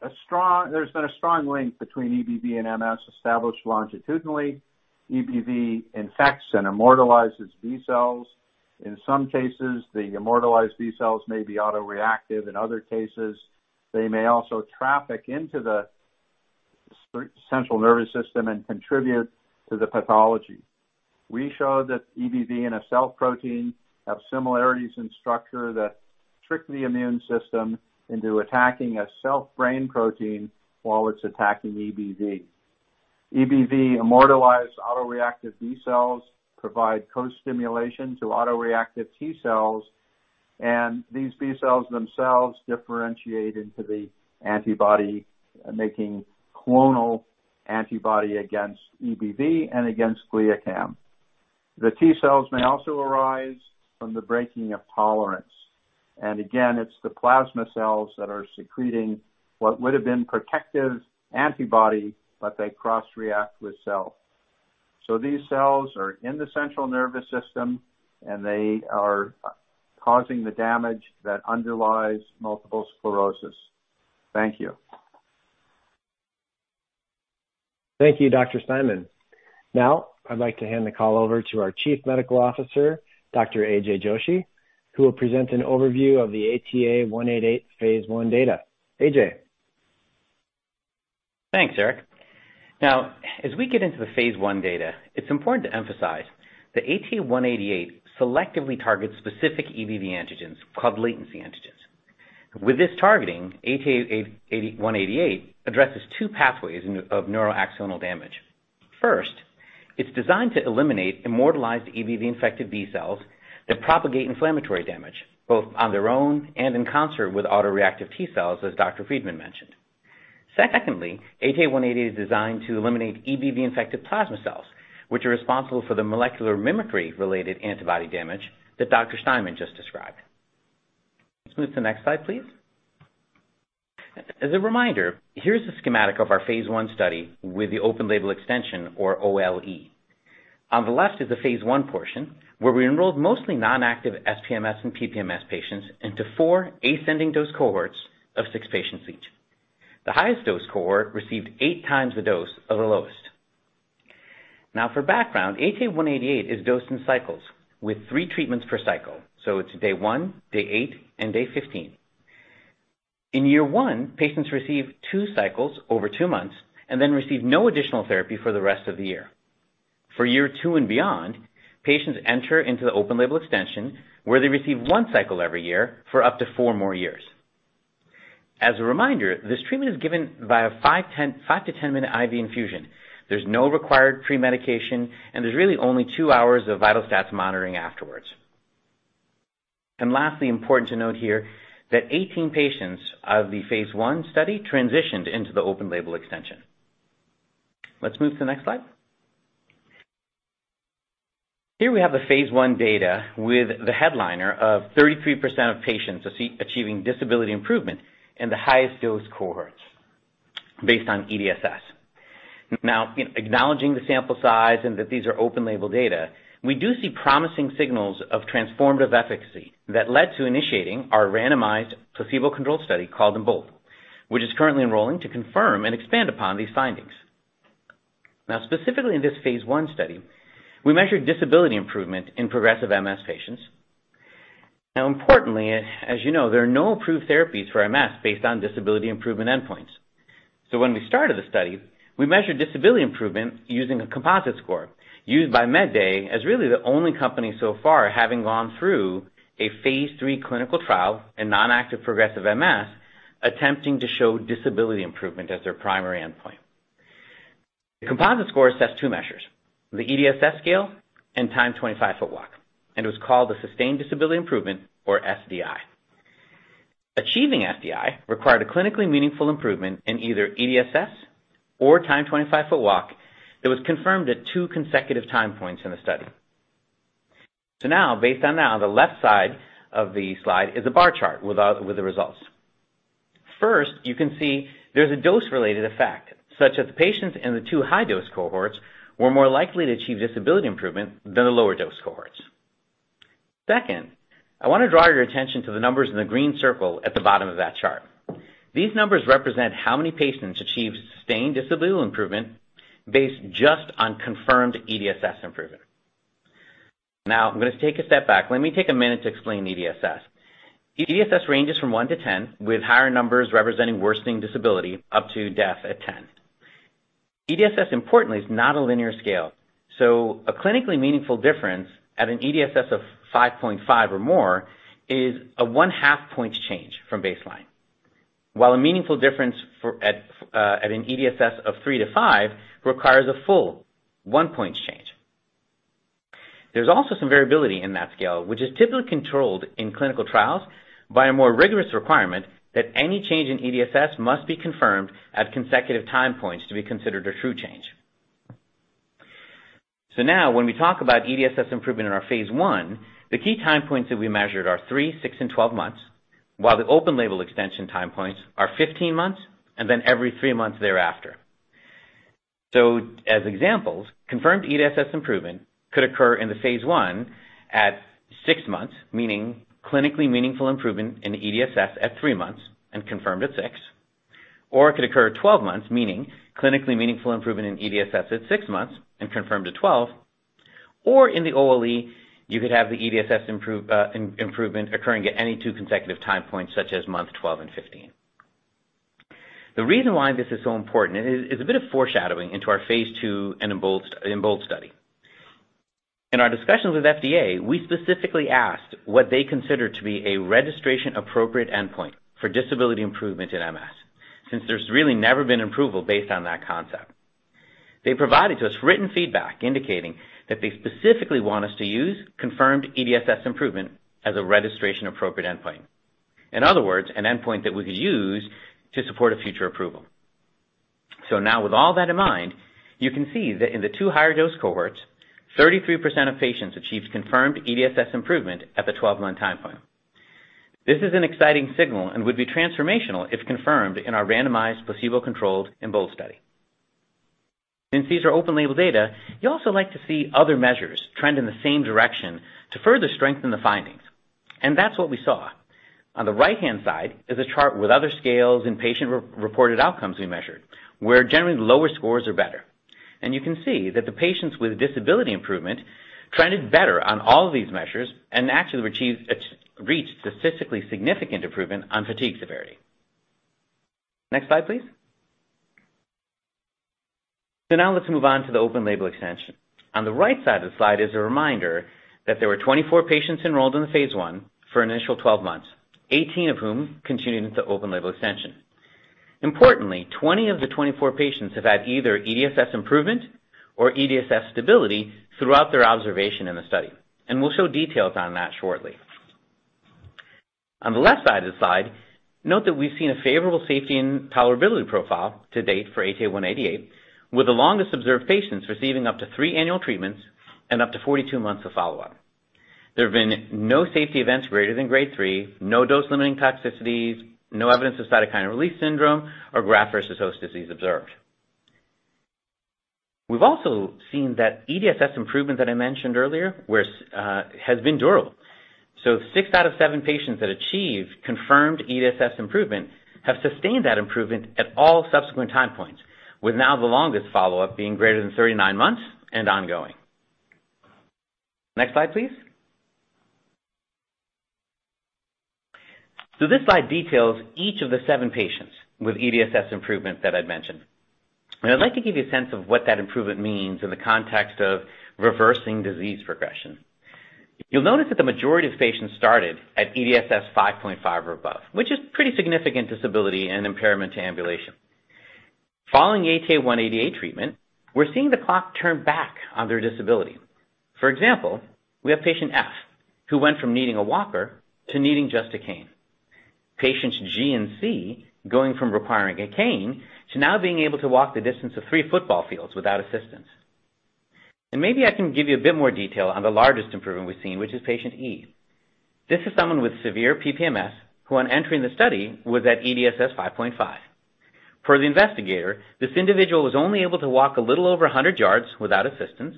Speaker 6: a strong link between EBV and MS established longitudinally. EBV infects and immortalizes B cells. In some cases, the immortalized B cells may be autoreactive. In other cases, they may also traffic into the central nervous system and contribute to the pathology. We show that EBV and a self-protein have similarities in structure that trick the immune system into attacking a self brain protein while it's attacking EBV. EBV immortalized autoreactive B cells provide co-stimulation to autoreactive T cells, and these B cells themselves differentiate into the antibody, making clonal antibody against EBV and against GlialCAM. The T cells may also arise from the breaking of tolerance. It's the plasma cells that are secreting what would have been protective antibody, but they cross-react with self. These cells are in the central nervous system, and they are causing the damage that underlies multiple sclerosis. Thank you.
Speaker 2: Thank you, Dr. Steinman. Now, I'd like to hand the call over to our Chief Medical Officer, Dr. Manher Joshi, who will present an overview of the ATA188 phase I data. Ajay.
Speaker 7: Thanks, Eric. Now, as we get into the phase I data, it's important to emphasize that ATA188 selectively targets specific EBV antigens called latency antigens. With this targeting, ATA188 addresses two pathways of neuroaxonal damage. First, it's designed to eliminate immortalized EBV-infected B cells that propagate inflammatory damage both on their own and in concert with autoreactive T cells, as Dr. Freedman mentioned. Secondly, ATA188 is designed to eliminate EBV-infected plasma cells, which are responsible for the molecular mimicry-related antibody damage that Dr. Steinman just described. Let's move to the next slide, please. As a reminder, here's a schematic of our phase I study with the open label extension or OLE. On the left is the phase I portion, where we enrolled mostly non-active SPMS and PPMS patients into four ascending dose cohorts of six patients each. The highest dose cohort received eight times the dose of the lowest. Now for background, ATA188 is dosed in cycles with three treatments per cycle, so it's day 1, day 8, and day 15. In year 1, patients receive 2 cycles overt two months and then receive no additional therapy for the rest of the year. For year two and beyond, patients enter into the open-label extension, where they receive 1 cycle every year for up to four more years. As a reminder, this treatment is given via 5- to 10-minute IV infusion. There's no required pre-medication, and there's really only two hours of vital stats monitoring afterwards. Lastly, important to note here that 18 patients of the phase I study transitioned into the open-label extension. Let's move to the next slide. Here we have the phase I data with the headliner of 33% of patients achieving disability improvement in the highest dose cohorts based on EDSS. Now, acknowledging the sample size and that these are open label data, we do see promising signals of transformative efficacy that led to initiating our randomized placebo-controlled study called EMBOLD, which is currently enrolling to confirm and expand upon these findings. Now, specifically in this phase I study, we measured disability improvement in progressive MS patients. Now importantly, as you know, there are no approved therapies for MS based on disability improvement endpoints. When we started the study, we measured disability improvement using a composite score used by MedDay as really the only company so far having gone through a phase III clinical trial in non-active progressive MS, attempting to show disability improvement as their primary endpoint. The composite score sets two measures, the EDSS scale and timed 25-foot walk, and it was called the Sustained Disability Improvement or SDI. Achieving SDI required a clinically meaningful improvement in either EDSS or timed 25-foot walk that was confirmed at two consecutive time points in the study. Now based on the left side of the slide is a bar chart with the results. First, you can see there's a dose-related effect, such as patients in the two high-dose cohorts were more likely to achieve disability improvement than the lower dose cohorts. Second, I want to draw your attention to the numbers in the green circle at the bottom of that chart. These numbers represent how many patients achieve sustained disability improvement based just on confirmed EDSS improvement. Now I'm going to take a step back. Let me take a minute to explain EDSS. EDSS ranges from 1-10, with higher numbers representing worsening disability, up to death at 10. EDSS importantly is not a linear scale. A clinically meaningful difference at an EDSS of 5.5 or more is a 0.5-point change from baseline. While a meaningful difference at an EDSS of 3-5 requires a full 1-point change. There's also some variability in that scale, which is typically controlled in clinical trials by a more rigorous requirement that any change in EDSS must be confirmed at consecutive time points to be considered a true change. Now when we talk about EDSS improvement in our phase I, the key time points that we measured are 3, 6, and 12 months, while the open-label extension time points are 15 months and then every 3 months thereafter. As examples, confirmed EDSS improvement could occur in the phase I at six months, meaning clinically meaningful improvement in EDSS at three months and confirmed at six. Or it could occur at 12 months, meaning clinically meaningful improvement in EDSS at 6 months and confirmed at 12. Or in the OLE, you could have the EDSS improvement occurring at any two consecutive time points, such as month 12 and 15. The reason why this is so important is a bit of foreshadowing into our phase II and EMBOLD study. In our discussions with FDA, we specifically asked what they consider to be a registration appropriate endpoint for disability improvement in MS, since there's really never been an approval based on that concept. They provided us written feedback indicating that they specifically want us to use confirmed EDSS improvement as a registration appropriate endpoint. In other words, an endpoint that we could use to support a future approval. Now with all that in mind, you can see that in the two higher dose cohorts, 33% of patients achieved confirmed EDSS improvement at the 12-month time point. This is an exciting signal and would be transformational if confirmed in our randomized placebo-controlled EMBOLD study. Since these are open-label data, you also like to see other measures trend in the same direction to further strengthen the findings. That's what we saw. On the right-hand side is a chart with other scales and patient-reported outcomes we measured, where generally the lower scores are better. You can see that the patients with disability improvement trended better on all of these measures and actually reached statistically significant improvement on fatigue severity. Next slide, please. Now let's move on to the open label extension. On the right side of the slide is a reminder that there were 24 patients enrolled in the phase I for initial 12 months, 18 of whom continued into open label extension. Importantly, 20 of the 24 patients have had either EDSS improvement or EDSS stability throughout their observation in the study. We'll show details on that shortly. On the left side of the slide, note that we've seen a favorable safety and tolerability profile to date for ATA188, with the longest observed patients receiving up to 3 annual treatments and up to 42 months of follow-up. There have been no safety events greater than grade 3, no dose limiting toxicities, no evidence of cytokine release syndrome or graft versus host disease observed. We've also seen that EDSS improvement that I mentioned earlier, where has been durable. Six out of 7 patients that achieved confirmed EDSS improvement have sustained that improvement at all subsequent time points, with now the longest follow-up being greater than 39 months and ongoing. Next slide, please. This slide details each of the 7 patients with EDSS improvement that I'd mentioned. I'd like to give you a sense of what that improvement means in the context of reversing disease progression. You'll notice that the majority of patients started at EDSS 5.5 or above, which is pretty significant disability and impairment to ambulation. Following ATA188 treatment, we're seeing the clock turn back on their disability. For example, we have patient F who went from needing a walker to needing just a cane. Patients G and C, going from requiring a cane to now being able to walk the distance of three football fields without assistance. Maybe I can give you a bit more detail on the largest improvement we've seen, which is patient E. This is someone with severe PPMS who on entering the study was at EDSS 5.5. Per the investigator, this individual was only able to walk a little over 100 yards without assistance,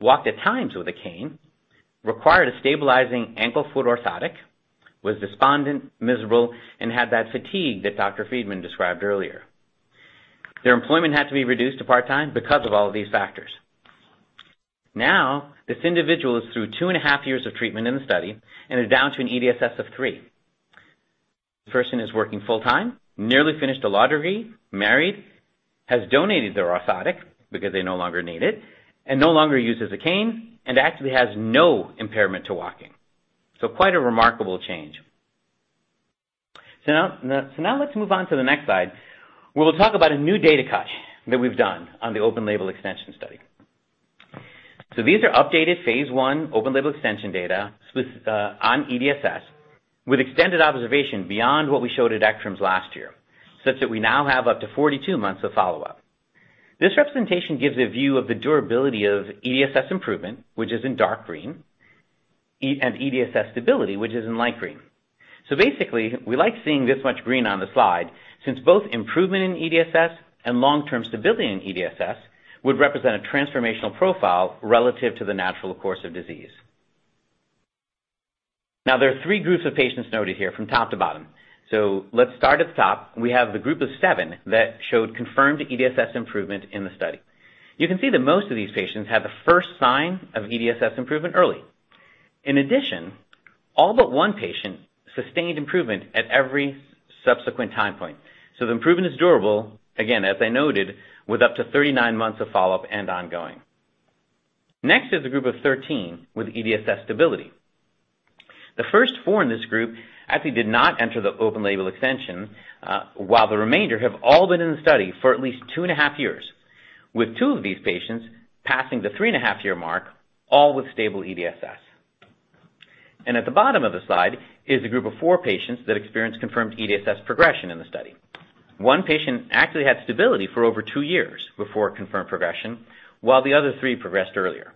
Speaker 7: walked at times with a cane, required a stabilizing ankle foot orthotic, was despondent, miserable, and had that fatigue that Dr. Friedman described earlier. Their employment had to be reduced to part-time because of all of these factors. Now, this individual is through two and a half years of treatment in the study and is down to an EDSS of 3. The person is working full-time, nearly finished a lottery, married, has donated their orthotic because they no longer need it, and no longer uses a cane, and actually has no impairment to walking. Quite a remarkable change. Now let's move on to the next slide, where we'll talk about a new data cut that we've done on the open label extension study. These are updated phase I open label extension data on EDSS with extended observation beyond what we showed at ECTRIMS last year, such that we now have up to 42 months of follow-up. This representation gives a view of the durability of EDSS improvement, which is in dark green, and EDSS stability, which is in light green. Basically, we like seeing this much green on the slide since both improvement in EDSS and long-term stability in EDSS would represent a transformational profile relative to the natural course of disease. Now there are three groups of patients noted here from top to bottom. Let's start at the top. We have the group of 7 that showed confirmed EDSS improvement in the study. You can see that most of these patients had the first sign of EDSS improvement early. In addition, all but one patient sustained improvement at every subsequent time point. The improvement is durable, again, as I noted, with up to 39 months of follow-up and ongoing. Next is a group of 13 with EDSS stability. The first four in this group actually did not enter the open label extension, while the remainder have all been in the study for at least two and a half years, with two of these patients passing the three-and-a-half year mark, all with stable EDSS. At the bottom of the slide is a group of four patients that experienced confirmed EDSS progression in the study. One patient actually had stability for over two years before confirmed progression, while the other three progressed earlier.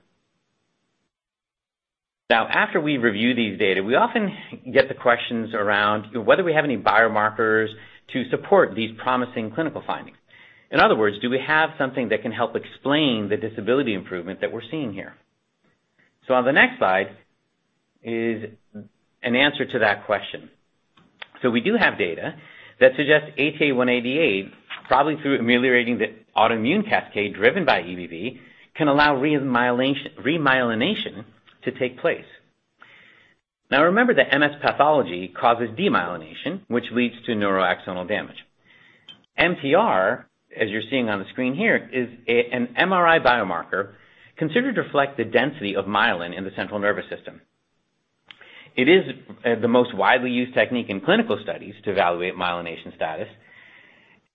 Speaker 7: Now, after we review these data, we often get the questions around whether we have any biomarkers to support these promising clinical findings. In other words, do we have something that can help explain the disability improvement that we're seeing here? On the next slide is an answer to that question. We do have data that suggests ATA188, probably through ameliorating the autoimmune cascade driven by EBV, can allow remyelination to take place. Now remember that MS pathology causes demyelination, which leads to neuroaxonal damage. MTR, as you're seeing on the screen here, is an MRI biomarker considered to reflect the density of myelin in the central nervous system. It is the most widely used technique in clinical studies to evaluate myelination status.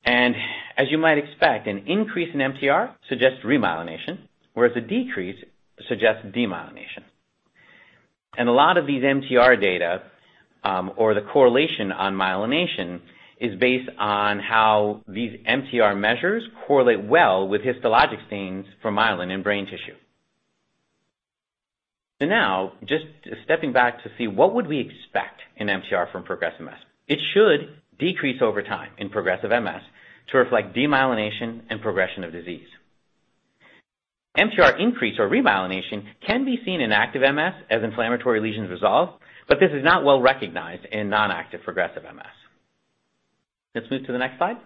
Speaker 7: As you might expect, an increase in MTR suggests remyelination, whereas a decrease suggests demyelination. A lot of these MTR data or the correlation on myelination is based on how these MTR measures correlate well with histologic stains for myelin in brain tissue. Now just stepping back to see what would we expect in MTR from progressive MS, it should decrease over time in progressive MS to reflect demyelination and progression of disease. MTR increase or remyelination can be seen in active MS as inflammatory lesions resolve, but this is not well recognized in non-active progressive MS. Let's move to the next slide.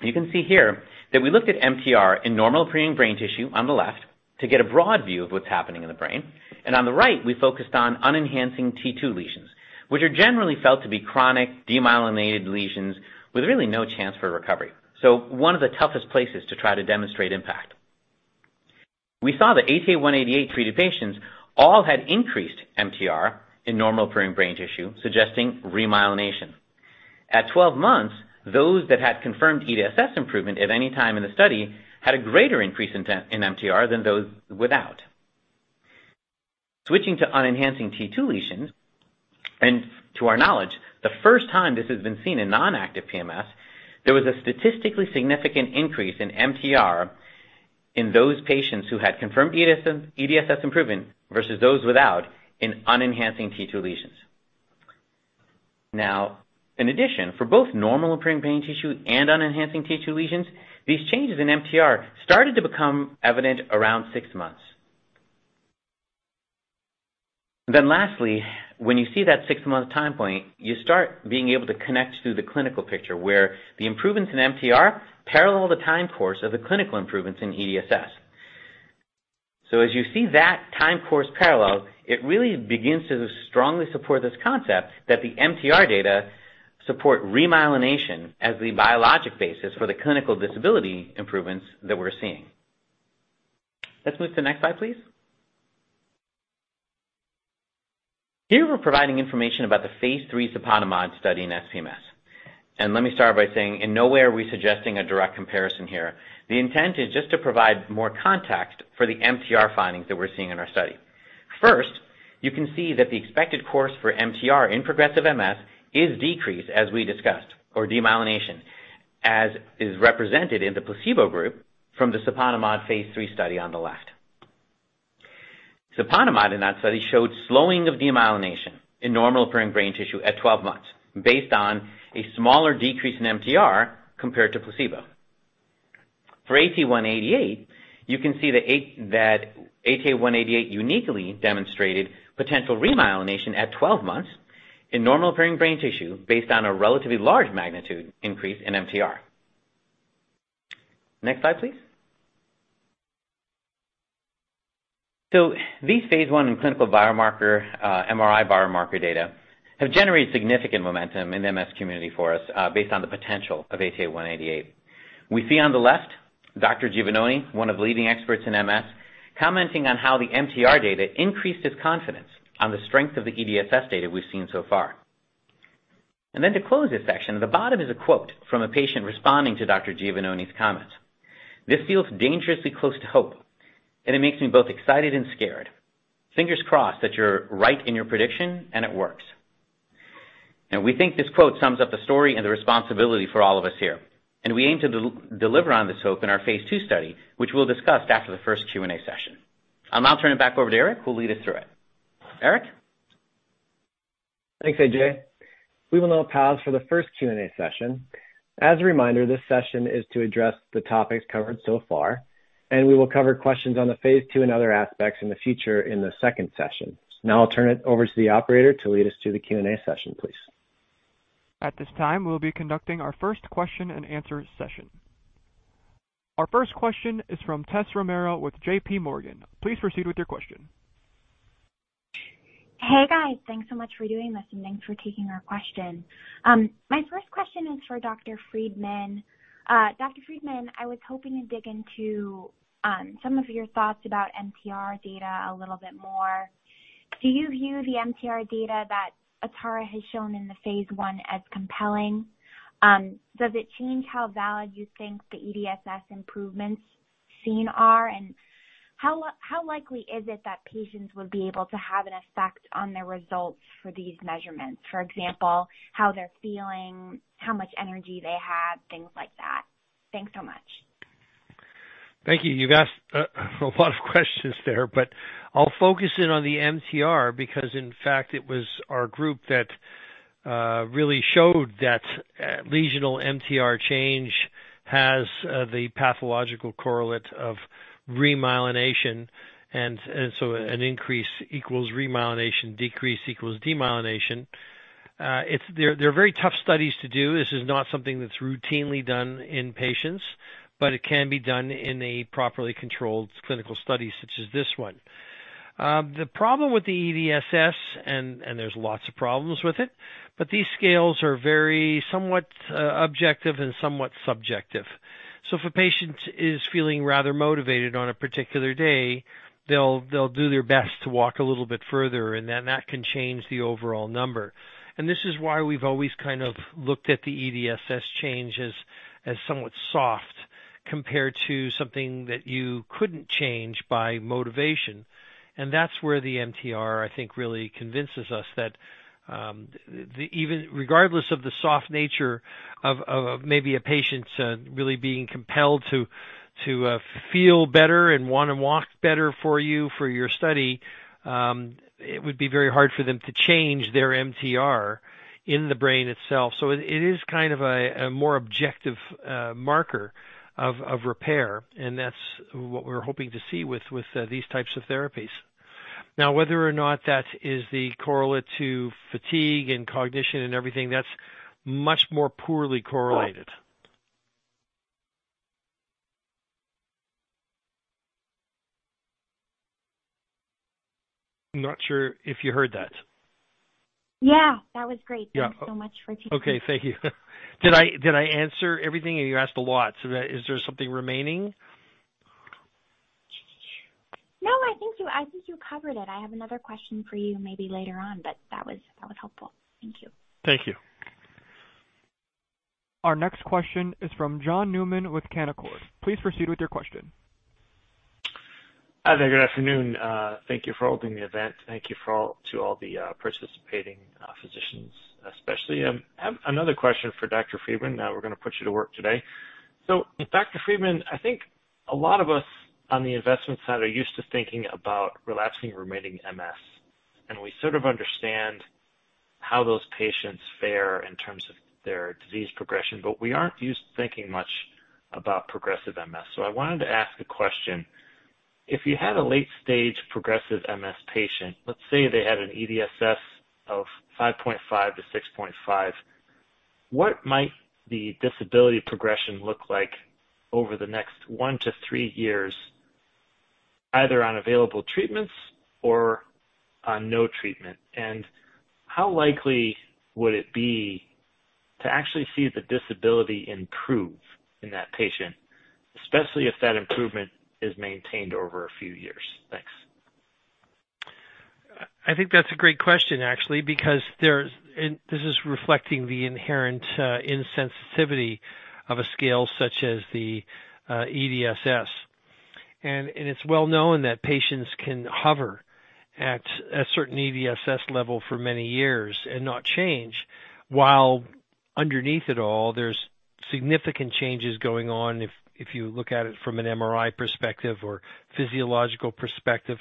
Speaker 7: You can see here that we looked at MTR in normal appearing brain tissue on the left to get a broad view of what's happening in the brain. On the right, we focused on unenhancing T2 lesions, which are generally felt to be chronic demyelinated lesions with really no chance for recovery. One of the toughest places to try to demonstrate impact. We saw that ATA188 treated patients all had increased MTR in normal appearing brain tissue, suggesting remyelination. At 12 months, those that had confirmed EDSS improvement at any time in the study had a greater increase in MTR than those without. Switching to unenhancing T2 lesions, and to our knowledge, the first time this has been seen in non-active PMS, there was a statistically significant increase in MTR in those patients who had confirmed EDSS improvement versus those without in unenhancing T2 lesions. Now, in addition, for both normal appearing brain tissue and unenhancing T2 lesions, these changes in MTR started to become evident around six months. Lastly, when you see that six-month time point, you start being able to connect to the clinical picture where the improvements in MTR parallel the time course of the clinical improvements in EDSS. As you see that time course parallel, it really begins to strongly support this concept that the MTR data support remyelination as the biologic basis for the clinical disability improvements that we're seeing. Let's move to the next slide, please. Here we're providing information about the phase III siponimod study in SPMS. Let me start by saying in no way are we suggesting a direct comparison here. The intent is just to provide more context for the MTR findings that we're seeing in our study. First, you can see that the expected course for MTR in progressive MS is decreased, as we discussed, or demyelination, as is represented in the placebo group from the siponimod phase III study on the left. Siponimod in that study showed slowing of demyelination in normal appearing brain tissue at 12 months based on a smaller decrease in MTR compared to placebo. For ATA188, you can see that ATA188 uniquely demonstrated potential remyelination at 12 months in normal appearing brain tissue based on a relatively large magnitude increase in MTR. Next slide, please. These phase I and clinical biomarker, MRI biomarker data have generated significant momentum in the MS community for us, based on the potential of ATA188. We see on the left Dr. Giovannoni, one of the leading experts in MS, commenting on how the MTR data increased his confidence on the strength of the EDSS data we've seen so far. To close this section, at the bottom is a quote from a patient responding to Dr. Giovannoni's comments. "This feels dangerously close to hope, and it makes me both excited and scared. Fingers crossed that you're right in your prediction and it works." Now, we think this quote sums up the story and the responsibility for all of us here, and we aim to deliver on this hope in our phase II study, which we'll discuss after the first Q&A session. I'll now turn it back over to Eric, who'll lead us through it. Eric?
Speaker 2: Thanks, AJ. We will now pause for the first Q&A session. As a reminder, this session is to address the topics covered so far, and we will cover questions on the phase II and other aspects in the future in the second session. Now I'll turn it over to the operator to lead us to the Q&A session, please.
Speaker 1: At this time, we'll be conducting our first question and answer session. Our first question is from Tessa Romero with JP Morgan. Please proceed with your question.
Speaker 8: Hey, guys. Thanks so much for doing this, and thanks for taking our question. My first question is for Dr. Freedman. Dr. Freedman, I was hoping to dig into some of your thoughts about MTR data a little bit more. Do you view the MTR data that Atara has shown in the phase I as compelling? Does it change how valid you think the EDSS improvements seen are? How likely is it that patients would be able to have an effect on their results for these measurements? For example, how they're feeling, how much energy they have, things like that. Thanks so much.
Speaker 4: Thank you. You've asked a lot of questions there, but I'll focus in on the MTR because in fact it was our group that really showed that lesional MTR change has the pathological correlate of remyelination. An increase equals remyelination, decrease equals demyelination. They're very tough studies to do. This is not something that's routinely done in patients, but it can be done in a properly controlled clinical study such as this one. The problem with the EDSS, and there's lots of problems with it, but these scales are somewhat objective and somewhat subjective. If a patient is feeling rather motivated on a particular day, they'll do their best to walk a little bit further, and then that can change the overall number. This is why we've always kind of looked at the EDSS change as somewhat soft compared to something that you couldn't change by motivation. That's where the MTR, I think, really convinces us that even regardless of the soft nature of maybe a patient's really being compelled to feel better and wanna walk better for you for your study, it would be very hard for them to change their MTR in the brain itself. It is kind of a more objective marker of repair, and that's what we're hoping to see with these types of therapies. Now, whether or not that is the correlate to fatigue and cognition and everything, that's much more poorly correlated. I'm not sure if you heard that.
Speaker 8: Yeah. That was great.
Speaker 4: Yeah.
Speaker 8: Thanks so much for taking my call.
Speaker 4: Okay. Thank you. Did I answer everything? You asked a lot, so is there something remaining?
Speaker 8: No, I think you covered it. I have another question for you maybe later on, but that was helpful. Thank you.
Speaker 4: Thank you.
Speaker 1: Our next question is from John Newman with Canaccord. Please proceed with your question.
Speaker 9: Hi there. Good afternoon. Thank you for holding the event. Thank you to all the participating physicians, especially. I have another question for Dr. Freedman. We're gonna put you to work today. Dr. Freedman, I think a lot of us on the investment side are used to thinking about relapsing remitting MS, and we sort of understand how those patients fare in terms of their disease progression, but we aren't used to thinking much about progressive MS. I wanted to ask a question. If you had a late stage progressive MS patient, let's say they had an EDSS of 5.5-6.5, what might the disability progression look like over the next one to three years, either on available treatments or on no treatment? How likely would it be to actually see the disability improve in that patient, especially if that improvement is maintained over a few years? Thanks.
Speaker 4: I think that's a great question, actually, because this is reflecting the inherent insensitivity of a scale such as the EDSS. It's well known that patients can hover at a certain EDSS level for many years and not change, while underneath it all, there's significant changes going on if you look at it from an MRI perspective or physiological perspective.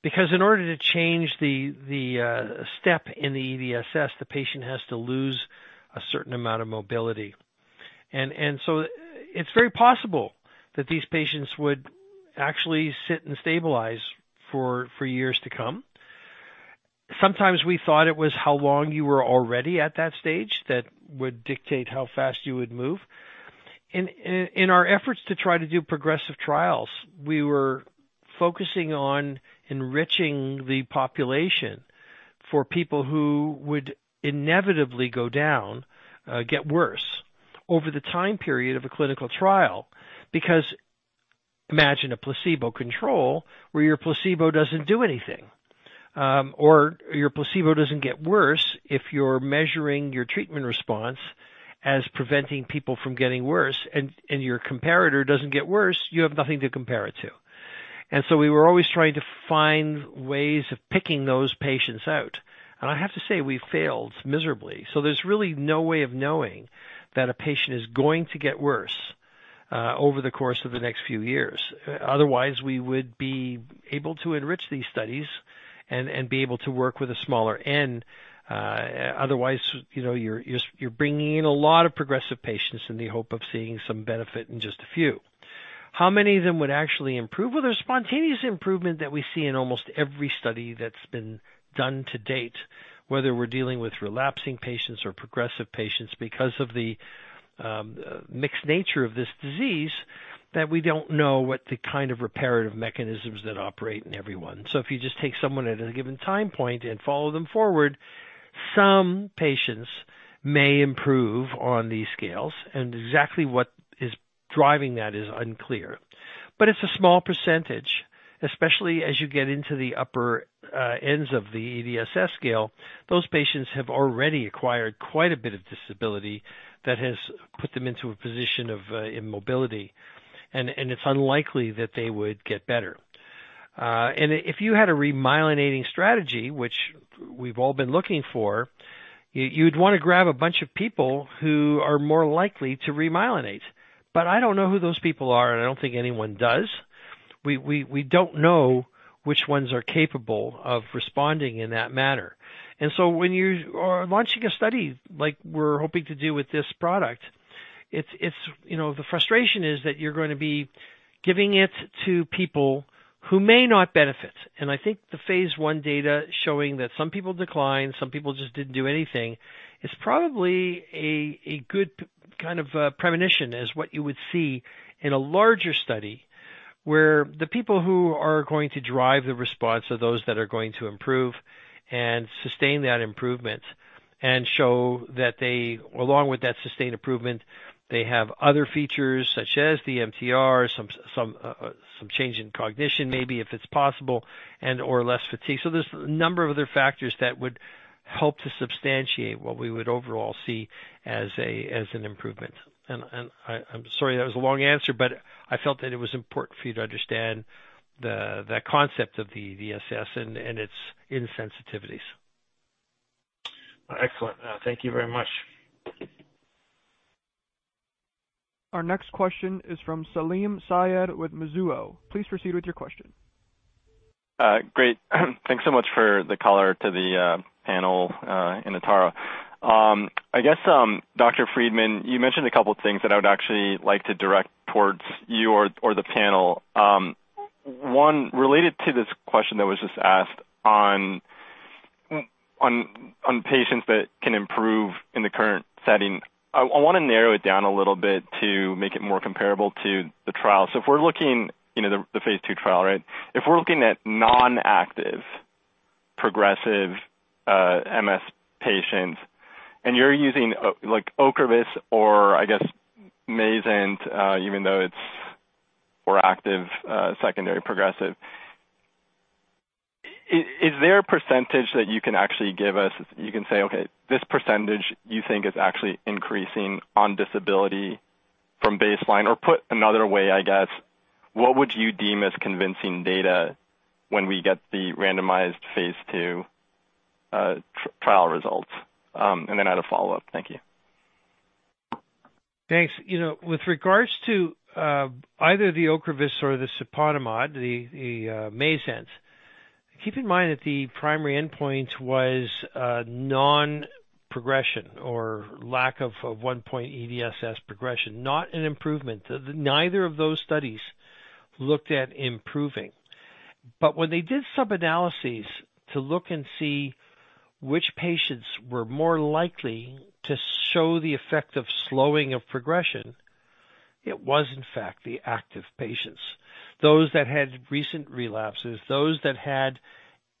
Speaker 4: Because in order to change the step in the EDSS, the patient has to lose a certain amount of mobility. It's very possible that these patients would actually sit and stabilize for years to come. Sometimes we thought it was how long you were already at that stage that would dictate how fast you would move. In our efforts to try to do progressive trials, we were focusing on enriching the population for people who would inevitably go down, get worse over the time period of a clinical trial. Because imagine a placebo control where your placebo doesn't do anything, or your placebo doesn't get worse if you're measuring your treatment response as preventing people from getting worse, and your comparator doesn't get worse, you have nothing to compare it to. We were always trying to find ways of picking those patients out. I have to say, we failed miserably. There's really no way of knowing that a patient is going to get worse, over the course of the next few years. Otherwise, we would be able to enrich these studies and be able to work with a smaller N. Otherwise, you know, you're bringing in a lot of progressive patients in the hope of seeing some benefit in just a few. How many of them would actually improve? Well, there's spontaneous improvement that we see in almost every study that's been done to date, whether we're dealing with relapsing patients or progressive patients because of the mixed nature of this disease, that we don't know what the kind of reparative mechanisms that operate in every one. If you just take someone at a given time point and follow them forward, some patients may improve on these scales, and exactly what is driving that is unclear. It's a small percentage, especially as you get into the upper ends of the EDSS scale. Those patients have already acquired quite a bit of disability that has put them into a position of immobility. It's unlikely that they would get better. If you had a remyelinating strategy, which we've all been looking for, you'd want to grab a bunch of people who are more likely to remyelinate. I don't know who those people are, and I don't think anyone does. We don't know which ones are capable of responding in that manner. When you are launching a study like we're hoping to do with this product, you know, the frustration is that you're going to be giving it to people who may not benefit. I think the phase I data showing that some people decline, some people just didn't do anything, is probably a good kind of a premonition as what you would see in a larger study where the people who are going to drive the response are those that are going to improve and sustain that improvement and show that they, along with that sustained improvement, they have other features such as the MTR, some change in cognition maybe, if it's possible, and/or less fatigue. There's a number of other factors that would help to substantiate what we would overall see as an improvement. I'm sorry that was a long answer, but I felt that it was important for you to understand the concept of the EDSS and its insensitivities.
Speaker 10: Excellent. Thank you very much.
Speaker 1: Our next question is from Salim Syed with Mizuho. Please proceed with your question.
Speaker 10: Great. Thanks so much for the color to the panel in Atara. I guess, Dr. Freedman, you mentioned a couple of things that I would actually like to direct towards you or the panel. One related to this question that was just asked on patients that can improve in the current setting. I want to narrow it down a little bit to make it more comparable to the trial. If we're looking into the phase II trial, right? If we're looking at non-active, progressive MS patients, and you're using, like, OCREVUS or I guess MAYZENT, even though it's more active secondary progressive. Is there a percentage that you can actually give us? You can say, okay, this percentage you think is actually increasing on disability from baseline. Put another way, I guess, what would you deem as convincing data when we get the randomized phase II trial results? Then I had a follow-up. Thank you.
Speaker 4: Thanks. You know, with regards to either the OCREVUS or the siponimod, the MAYZENT, keep in mind that the primary endpoint was non-progression or lack of a 1-point EDSS progression, not an improvement. Neither of those studies looked at improving. But when they did sub-analysis to look and see which patients were more likely to show the effect of slowing of progression, it was in fact the active patients. Those that had recent relapses, those that had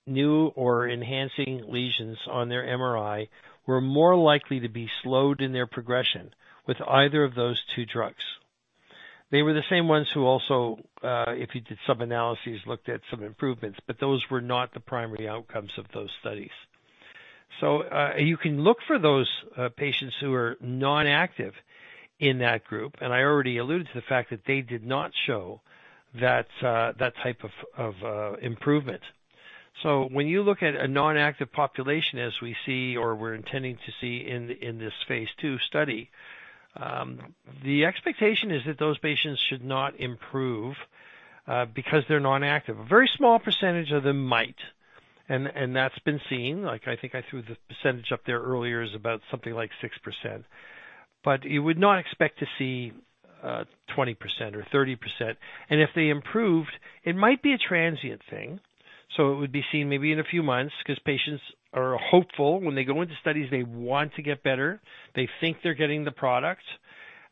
Speaker 4: new or enhancing lesions on their MRI were more likely to be slowed in their progression with either of those two drugs. They were the same ones who also, if you did sub-analyses, looked at some improvements, but those were not the primary outcomes of those studies. You can look for those patients who are non-active in that group, and I already alluded to the fact that they did not show that type of improvement. When you look at a non-active population as we see or we're intending to see in this phase II study, the expectation is that those patients should not improve because they're non-active. A very small percentage of them might and that's been seen. Like, I think I threw the percentage up there earlier, is about something like 6%. But you would not expect to see 20% or 30%. If they improved, it might be a transient thing, so it would be seen maybe in a few months 'cause patients are hopeful. When they go into studies, they want to get better. They think they're getting the product,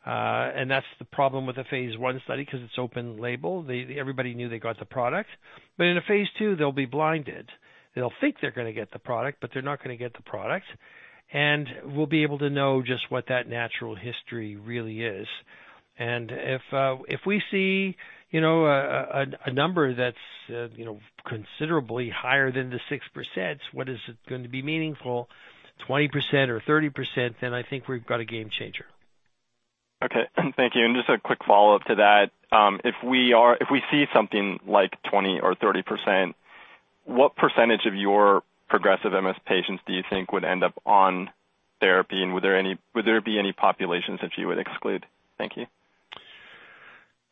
Speaker 4: and that's the problem with the phase I study 'cause it's open label. Everybody knew they got the product. In a phase II, they'll be blinded. They'll think they're gonna get the product, but they're not gonna get the product, and we'll be able to know just what that natural history really is. If we see, you know, a number that's, you know, considerably higher than the 6%, what is it going to be meaningful, 20% or 30%, then I think we've got a game changer.
Speaker 10: Okay. Thank you. Just a quick follow-up to that. If we see something like 20 or 30%, what percentage of your progressive MS patients do you think would end up on therapy? Would there be any populations that you would exclude? Thank you.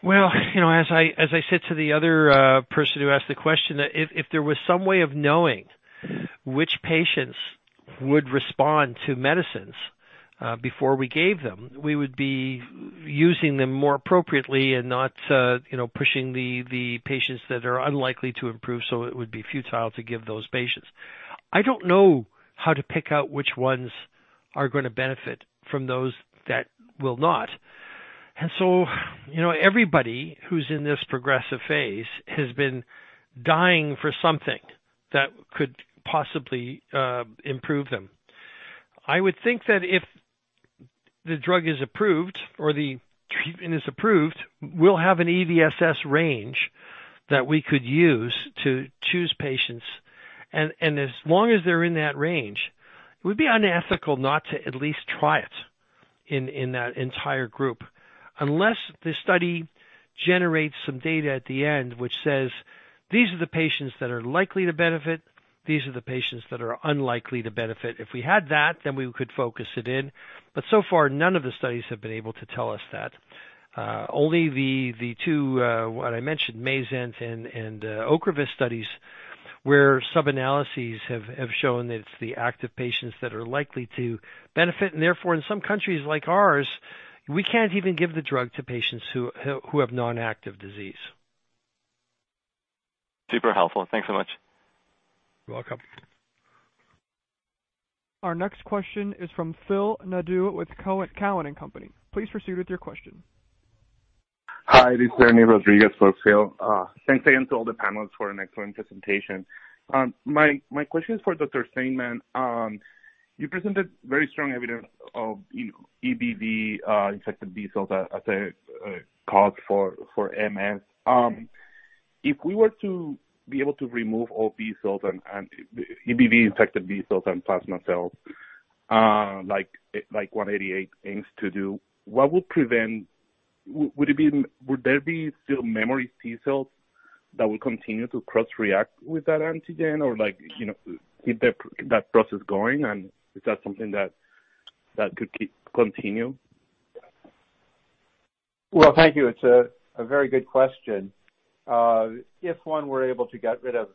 Speaker 4: Well, you know, as I said to the other person who asked the question, that if there was some way of knowing which patients would respond to medicines before we gave them, we would be using them more appropriately and not, you know, pushing the patients that are unlikely to improve, so it would be futile to give those patients. I don't know how to pick out which ones are gonna benefit from those that will not. You know, everybody who's in this progressive phase has been dying for something that could possibly improve them. I would think that if the drug is approved or the treatment is approved, we'll have an EDSS range that we could use to choose patients. As long as they're in that range, it would be unethical not to at least try it in that entire group. Unless the study generates some data at the end which says, "These are the patients that are likely to benefit, these are the patients that are unlikely to benefit." If we had that, then we could focus it in. So far, none of the studies have been able to tell us that. Only the two what I mentioned, MAYZENT and OCREVUS studies, where sub-analyses have shown that it's the active patients that are likely to benefit. Therefore, in some countries like ours, we can't even give the drug to patients who have non-active disease.
Speaker 10: Super helpful. Thanks so much.
Speaker 4: You're welcome.
Speaker 1: Our next question is from Phil Nadeau with Cowen and Company. Please proceed with your question.
Speaker 11: Hi, this is Ernie Rodriguez for Phil. Thanks again to all the panelists for an excellent presentation. My question is for Dr. Steinman. You presented very strong evidence of EBV infected B cells as a cause for MS. If we were to be able to remove all B cells and EBV-infected B cells and plasma cells, like ATA188 aims to do, what would prevent it? Would there be still memory T cells that will continue to cross-react with that antigen or like, you know, keep that process going? Is that something that could keep continue?
Speaker 6: Well, thank you. It's a very good question. If one were able to get rid of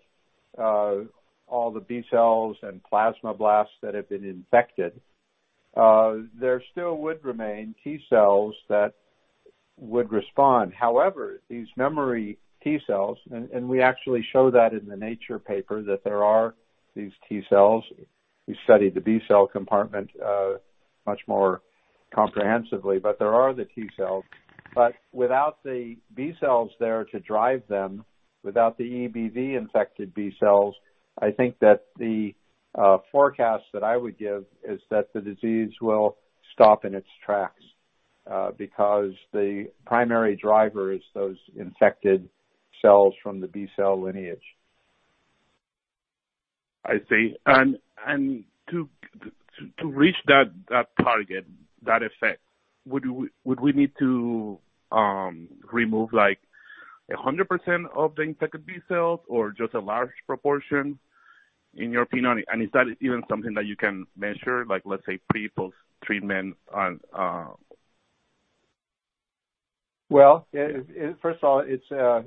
Speaker 6: all the B cells and plasma blasts that have been infected, there still would remain T cells that would respond. However, these memory T cells, and we actually show that in the Nature paper that there are these T cells. We studied the B cell compartment much more comprehensively, but there are the T cells. But without the B cells there to drive them, without the EBV-infected B cells, I think that the forecast that I would give is that the disease will stop in its tracks, because the primary driver is those infected cells from the B cell lineage.
Speaker 11: I see. To reach that target, that effect, would we need to remove like 100% of the infected B cells or just a large proportion, in your opinion? Is that even something that you can measure, like let's say, pre/post-treatment on,
Speaker 6: Well, first of all, it's a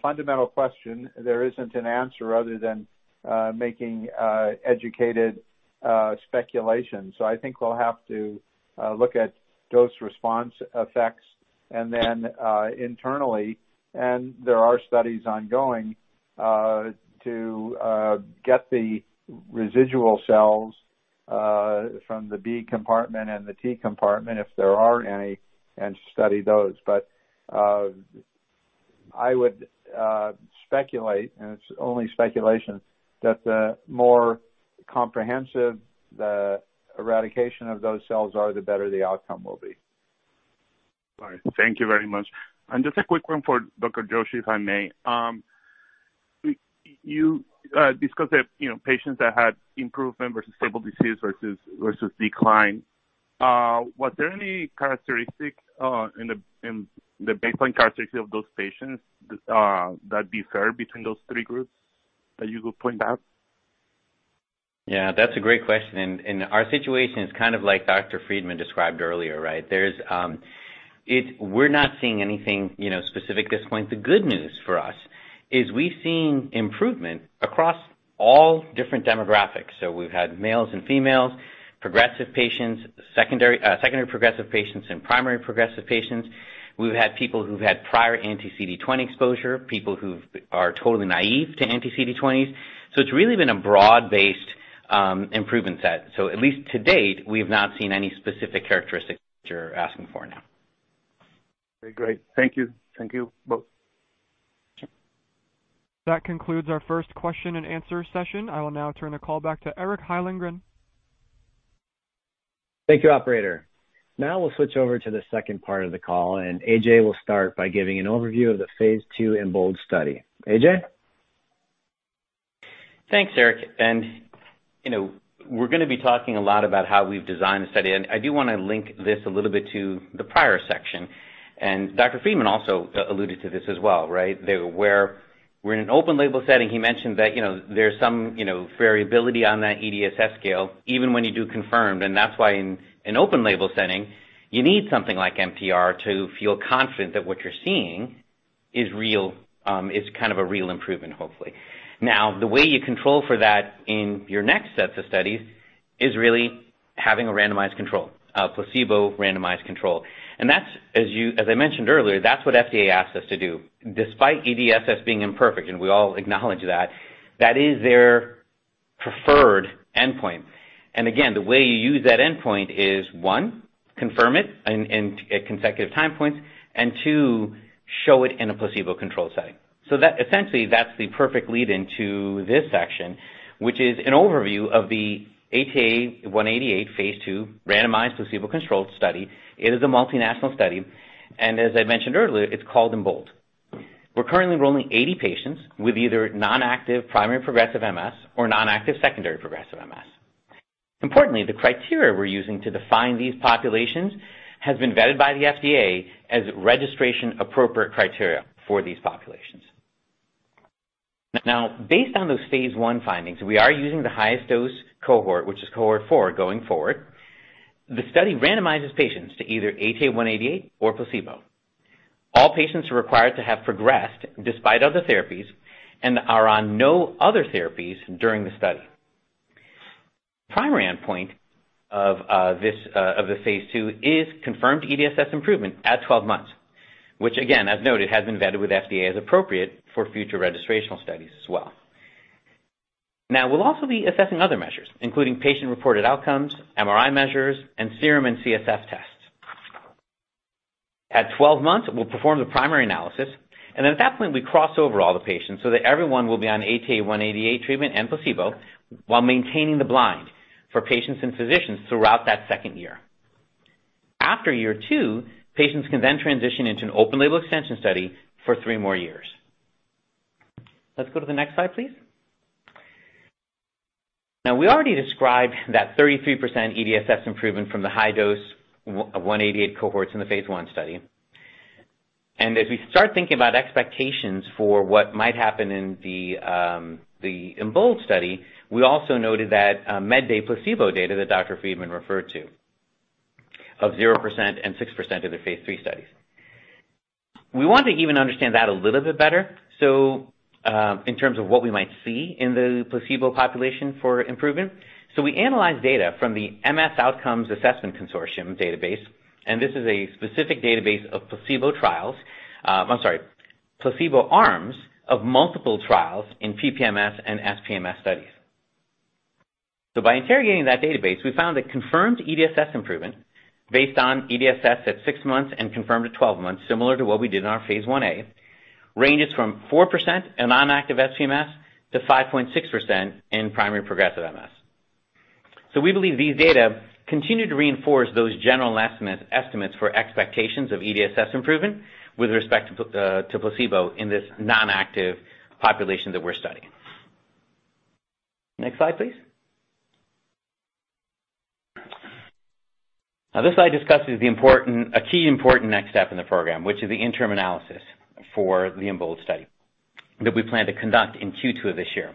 Speaker 6: fundamental question. There isn't an answer other than making educated speculations. I think we'll have to look at dose response effects and then internally. There are studies ongoing to get the residual cells from the B compartment and the T compartment, if there are any, and study those. I would speculate, and it's only speculation, that the more comprehensive the eradication of those cells are, the better the outcome will be.
Speaker 11: All right. Thank you very much. Just a quick one for Dr. Joshi, if I may. You discussed that, you know, patients that had improvement versus stable disease versus decline. Was there any characteristic in the baseline characteristic of those patients that differ between those three groups that you could point out?
Speaker 7: Yeah, that's a great question. Our situation is kind of like Dr. Friedman described earlier, right? We're not seeing anything, you know, specific at this point. The good news for us is we've seen improvement across all different demographics. We've had males and females, progressive patients, secondary progressive patients, and primary progressive patients. We've had people who've had prior anti-CD20 exposure, people who are totally naive to anti-CD20s. It's really been a broad-based improvement set. At least to date, we have not seen any specific characteristics that you're asking for now.
Speaker 11: Okay, great. Thank you. Thank you both.
Speaker 1: That concludes our first question-and-answer session. I will now turn the call back to Eric Hyllengren.
Speaker 2: Thank you, operator. Now we'll switch over to the second part of the call, and AJ will start by giving an overview of the phase II EMBOLD study. AJ?
Speaker 7: Thanks, Eric. You know, we're gonna be talking a lot about how we've designed the study. I do wanna link this a little bit to the prior section. Dr. Friedman also alluded to this as well, right? That where we're in an open label setting, he mentioned that, you know, there's some, you know, variability on that EDSS scale even when you do confirmed. That's why in an open label setting, you need something like MTR to feel confident that what you're seeing is real, is kind of a real improvement, hopefully. Now, the way you control for that in your next sets of studies is really having a randomized control, a placebo randomized control. That's, as I mentioned earlier, what FDA asks us to do. Despite EDSS being imperfect, and we all acknowledge that is their preferred endpoint. Again, the way you use that endpoint is, one, confirm it in consecutive time points. two, show it in a placebo-controlled setting. That essentially is the perfect lead into this section, which is an overview of the ATA188 phase II randomized placebo-controlled study. It is a multinational study, and as I mentioned earlier, it's called EMBOLD. We're currently enrolling 80 patients with either non-active primary progressive MS or non-active secondary progressive MS. Importantly, the criteria we're using to define these populations has been vetted by the FDA as registration appropriate criteria for these populations. Now, based on those phase I findings, we are using the highest dose cohort, which is cohort four going forward. The study randomizes patients to either ATA188 or placebo. All patients are required to have progressed despite other therapies and are on no other therapies during the study. Primary endpoint of this phase II is confirmed EDSS improvement at 12 months, which again, as noted, has been vetted with FDA as appropriate for future registrational studies as well. Now, we'll also be assessing other measures, including patient-reported outcomes, MRI measures, and serum and CSF tests. At 12 months, we'll perform the primary analysis, and then at that point, we cross over all the patients so that everyone will be on ATA188 treatment and placebo while maintaining the blind for patients and physicians throughout that second year. After year two, patients can then transition into an open label extension study for 3 more years. Let's go to the next slide, please. Now, we already described that 33% EDSS improvement from the high dose ATA188 cohorts in the phase I study. As we start thinking about expectations for what might happen in the EMBOLD study, we also noted that MedDay placebo data that Dr. Freedman referred to, of 0% and 6% of the phase III studies. We want to even understand that a little bit better, in terms of what we might see in the placebo population for improvement. We analyzed data from the Multiple Sclerosis Outcome Assessments Consortium database, and this is a specific database of placebo arms of multiple trials in PPMS and SPMS studies. By interrogating that database, we found that confirmed EDSS improvement based on EDSS at 6 months and confirmed at 12 months, similar to what we did in our phase IA, ranges from 4% in non-active SPMS to 5.6% in primary progressive MS. We believe these data continue to reinforce those general estimates for expectations of EDSS improvement with respect to placebo in this non-active population that we're studying. Next slide, please. Now, this slide discusses a key important next step in the program, which is the interim analysis for the EMBOLD study that we plan to conduct in Q2 of this year.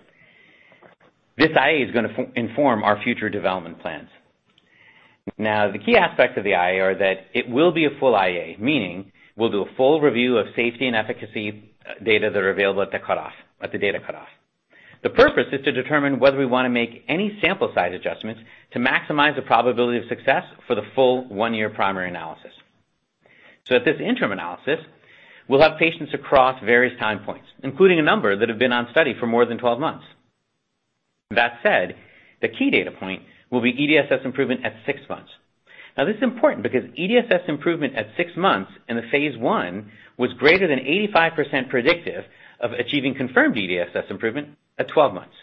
Speaker 7: This IA is gonna inform our future development plans. Now, the key aspects of the IA are that it will be a full IA, meaning we'll do a full review of safety and efficacy data that are available at the data cutoff. The purpose is to determine whether we wanna make any sample size adjustments to maximize the probability of success for the full one-year primary analysis. At this interim analysis, we'll have patients across various time points, including a number that have been on study for more than 12 months. That said, the key data point will be EDSS improvement at 6 months. Now, this is important because EDSS improvement at 6 months in the phase I was greater than 85% predictive of achieving confirmed EDSS improvement at 12 months.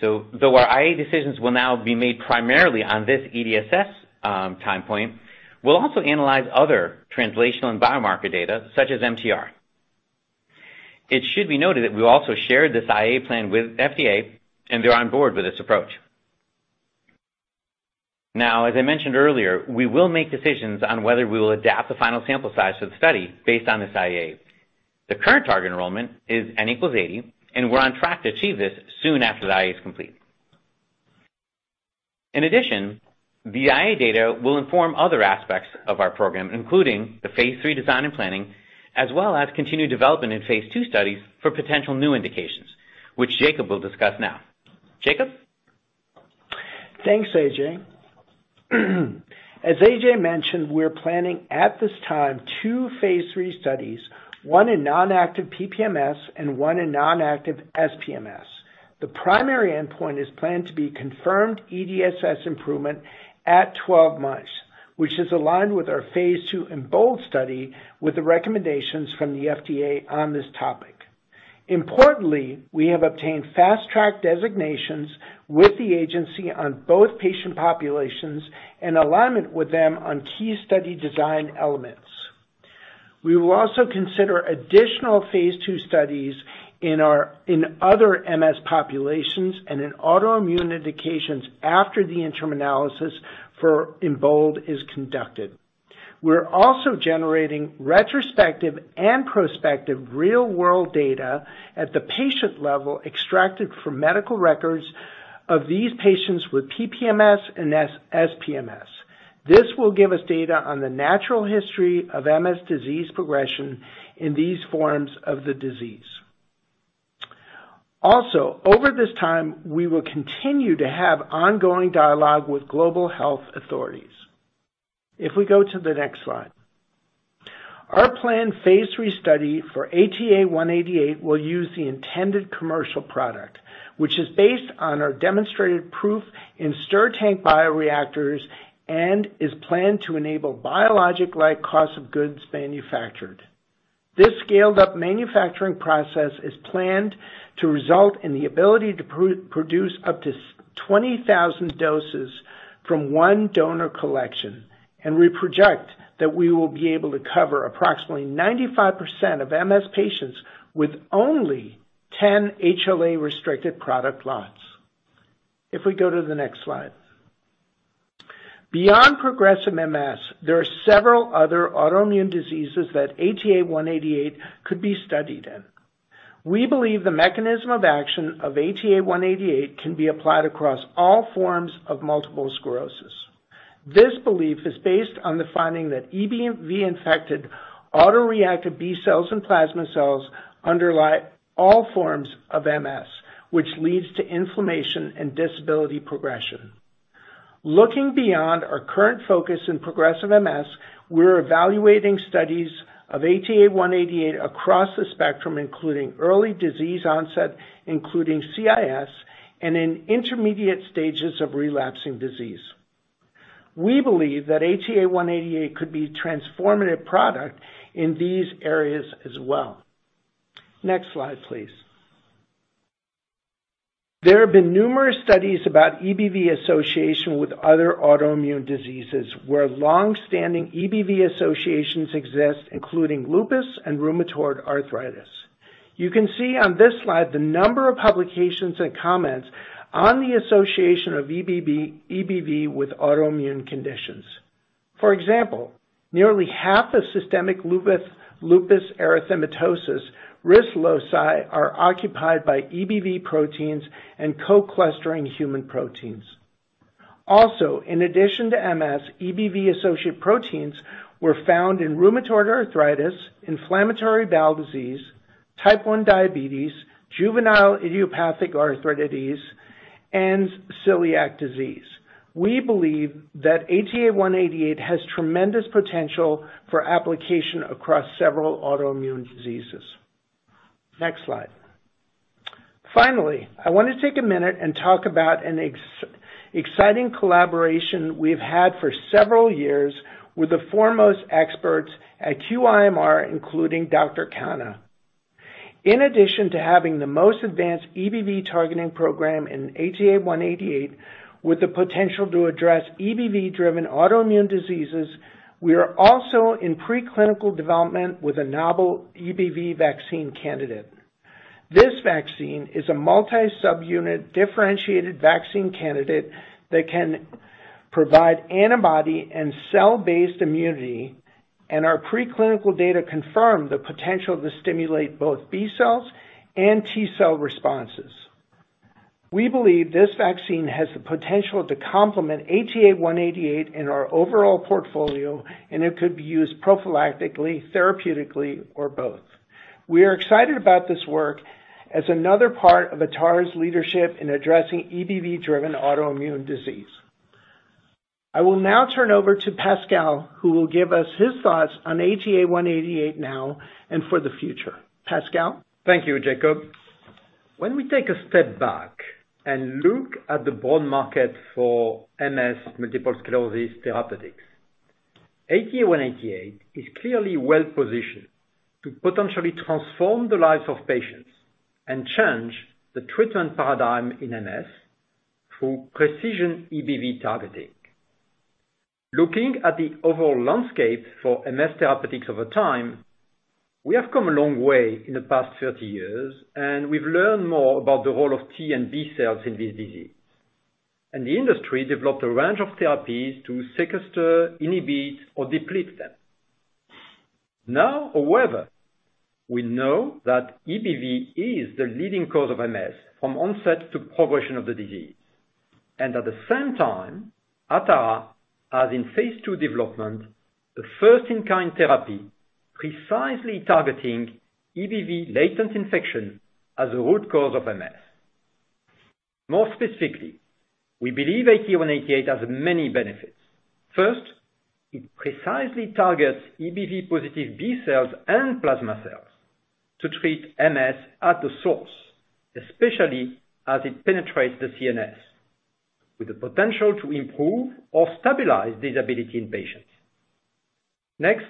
Speaker 7: Though our IA decisions will now be made primarily on this EDSS time point, we'll also analyze other translational and biomarker data such as MTR. It should be noted that we also shared this IA plan with FDA, and they're on board with this approach. Now, as I mentioned earlier, we will make decisions on whether we will adapt the final sample size to the study based on this IA. The current target enrollment is N = 80, and we're on track to achieve this soon after the IA is complete. In addition, the IA data will inform other aspects of our program, including the phase III design and planning, as well as continued development in phase II studies for potential new indications, which Jakob will discuss now. Jakob.
Speaker 12: Thanks, AJ. As AJ mentioned, we're planning at this time two phase III studies, one in non-active PPMS and one in non-active SPMS. The primary endpoint is planned to be confirmed EDSS improvement at 12 months, which is aligned with our phase II EMBOLD study with the recommendations from the FDA on this topic. Importantly, we have obtained fast track designations with the agency on both patient populations and alignment with them on key study design elements. We will also consider additional phase II studies in other MS populations and in autoimmune indications after the interim analysis for EMBOLD is conducted. We're also generating retrospective and prospective real-world data at the patient level extracted from medical records of these patients with PPMS and SPMS. This will give us data on the natural history of MS disease progression in these forms of the disease. Over this time, we will continue to have ongoing dialogue with global health authorities. If we go to the next slide. Our planned phase III study for ATA188 will use the intended commercial product, which is based on our demonstrated proof in stirred-tank bioreactors and is planned to enable biologic-like cost of goods manufactured. This scaled-up manufacturing process is planned to result in the ability to produce up to 20,000 doses from one donor collection, and we project that we will be able to cover approximately 95% of MS patients with only 10 HLA-restricted product lots. If we go to the next slide. Beyond progressive MS, there are several other autoimmune diseases that ATA188 could be studied in. We believe the mechanism of action of ATA188 can be applied across all forms of multiple sclerosis. This belief is based on the finding that EBV-infected autoreactive B cells and plasma cells underlie all forms of MS, which leads to inflammation and disability progression. Looking beyond our current focus in progressive MS, we're evaluating studies of ATA188 across the spectrum, including early disease onset, including CIS, and in intermediate stages of relapsing disease. We believe that ATA188 could be a transformative product in these areas as well. Next slide, please. There have been numerous studies about EBV association with other autoimmune diseases, where long-standing EBV associations exist, including lupus and rheumatoid arthritis. You can see on this slide the number of publications and comments on the association of EBV with autoimmune conditions. For example, nearly half of systemic lupus erythematosus risk loci are occupied by EBV proteins and co-clustering human proteins. Also, in addition to MS, EBV-associated proteins were found in rheumatoid arthritis, inflammatory bowel disease, type 1 diabetes, juvenile idiopathic arthritis, and celiac disease. We believe that ATA188 has tremendous potential for application across several autoimmune diseases. Next slide. Finally, I want to take a minute and talk about an exciting collaboration we've had for several years with the foremost experts at QIMR, including Dr. Khanna. In addition to having the most advanced EBV targeting program in ATA188, with the potential to address EBV-driven autoimmune diseases, we are also in preclinical development with a novel EBV vaccine candidate. This vaccine is a multi-subunit differentiated vaccine candidate that can provide antibody and cell-based immunity, and our preclinical data confirm the potential to stimulate both B cells and T cell responses. We believe this vaccine has the potential to complement ATA188 in our overall portfolio, and it could be used prophylactically, therapeutically, or both. We are excited about this work as another part of Atara's leadership in addressing EBV-driven autoimmune disease. I will now turn over to Pascal, who will give us his thoughts on ATA188 now and for the future. Pascal?
Speaker 3: Thank you, Jakob. When we take a step back and look at the broad market for MS, multiple sclerosis therapeutics, ATA188 is clearly well-positioned to potentially transform the lives of patients and change the treatment paradigm in MS through precision EBV targeting. Looking at the overall landscape for MS therapeutics over time, we have come a long way in the past 30 years, and we've learned more about the role of T and B cells in this disease. The industry developed a range of therapies to sequester, inhibit, or deplete them. Now, however, we know that EBV is the leading cause of MS from onset to progression of the disease. At the same time, Atara has in phase II development, the first-in-kind therapy precisely targeting EBV latent infection as a root cause of MS. More specifically, we believe ATA188 has many benefits. First, it precisely targets EBV-positive B cells and plasma cells to treat MS at the source, especially as it penetrates the CNS, with the potential to improve or stabilize disability in patients. Next,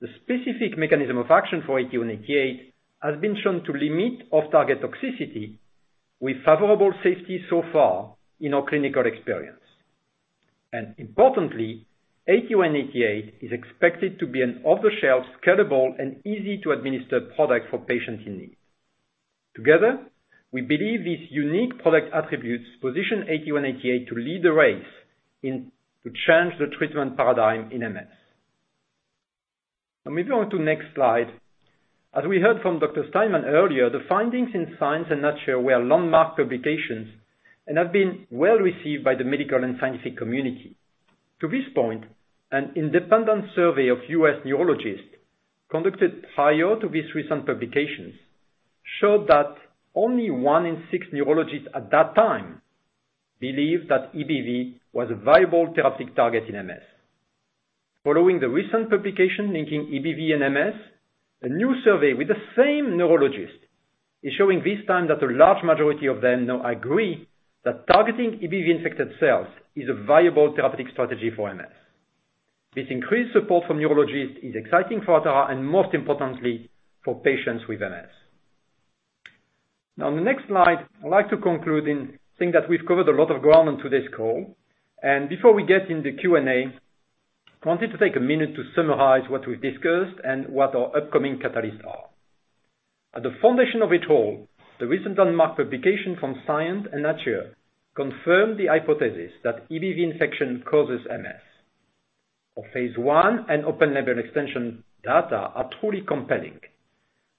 Speaker 3: the specific mechanism of action for ATA188 has been shown to limit off-target toxicity with favorable safety so far in our clinical experience. Importantly, ATA188 is expected to be an off-the-shelf, scalable, and easy to administer product for patients in need. Together, we believe these unique product attributes position ATA188 to lead the race into change the treatment paradigm in MS. Now moving on to next slide. As we heard from Dr. Steinman earlier, the findings in Science and Nature were landmark publications and have been well received by the medical and scientific community. To this point, an independent survey of U.S. neurologists conducted prior to these recent publications showed that only one in six neurologists at that time believed that EBV was a viable therapeutic target in MS. Following the recent publication linking EBV and MS, a new survey with the same neurologists is showing this time that a large majority of them now agree that targeting EBV-infected cells is a viable therapeutic strategy for MS. This increased support from neurologists is exciting for Atara and most importantly, for patients with MS. Now on the next slide, I'd like to conclude. I think that we've covered a lot of ground on today's call. Before we get into Q&A, I wanted to take a minute to summarize what we've discussed and what our upcoming catalysts are. At the foundation of it all, the recent landmark publication from Science and Nature confirmed the hypothesis that EBV infection causes MS. Our phase I and open-label extension data are truly compelling,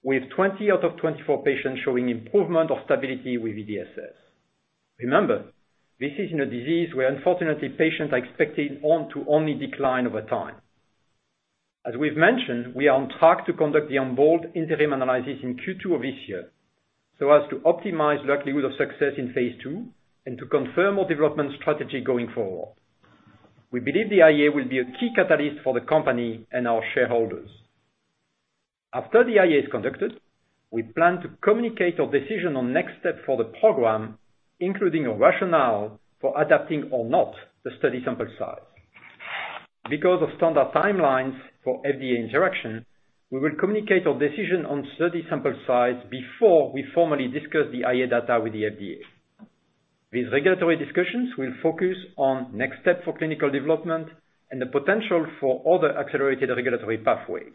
Speaker 3: with 20 out of 24 patients showing improvement or stability with EDSS. Remember, this is in a disease where unfortunately, patients are expected to only decline over time. As we've mentioned, we are on track to conduct the EMBOLD interim analysis in Q2 of this year, so as to optimize likelihood of success in phase II and to confirm our development strategy going forward. We believe the IA will be a key catalyst for the company and our shareholders. After the IA is conducted, we plan to communicate our decision on next step for the program, including a rationale for adapting or not the study sample size. Because of standard timelines for FDA interaction, we will communicate our decision on study sample size before we formally discuss the IA data with the FDA. These regulatory discussions will focus on next steps for clinical development and the potential for other accelerated regulatory pathways.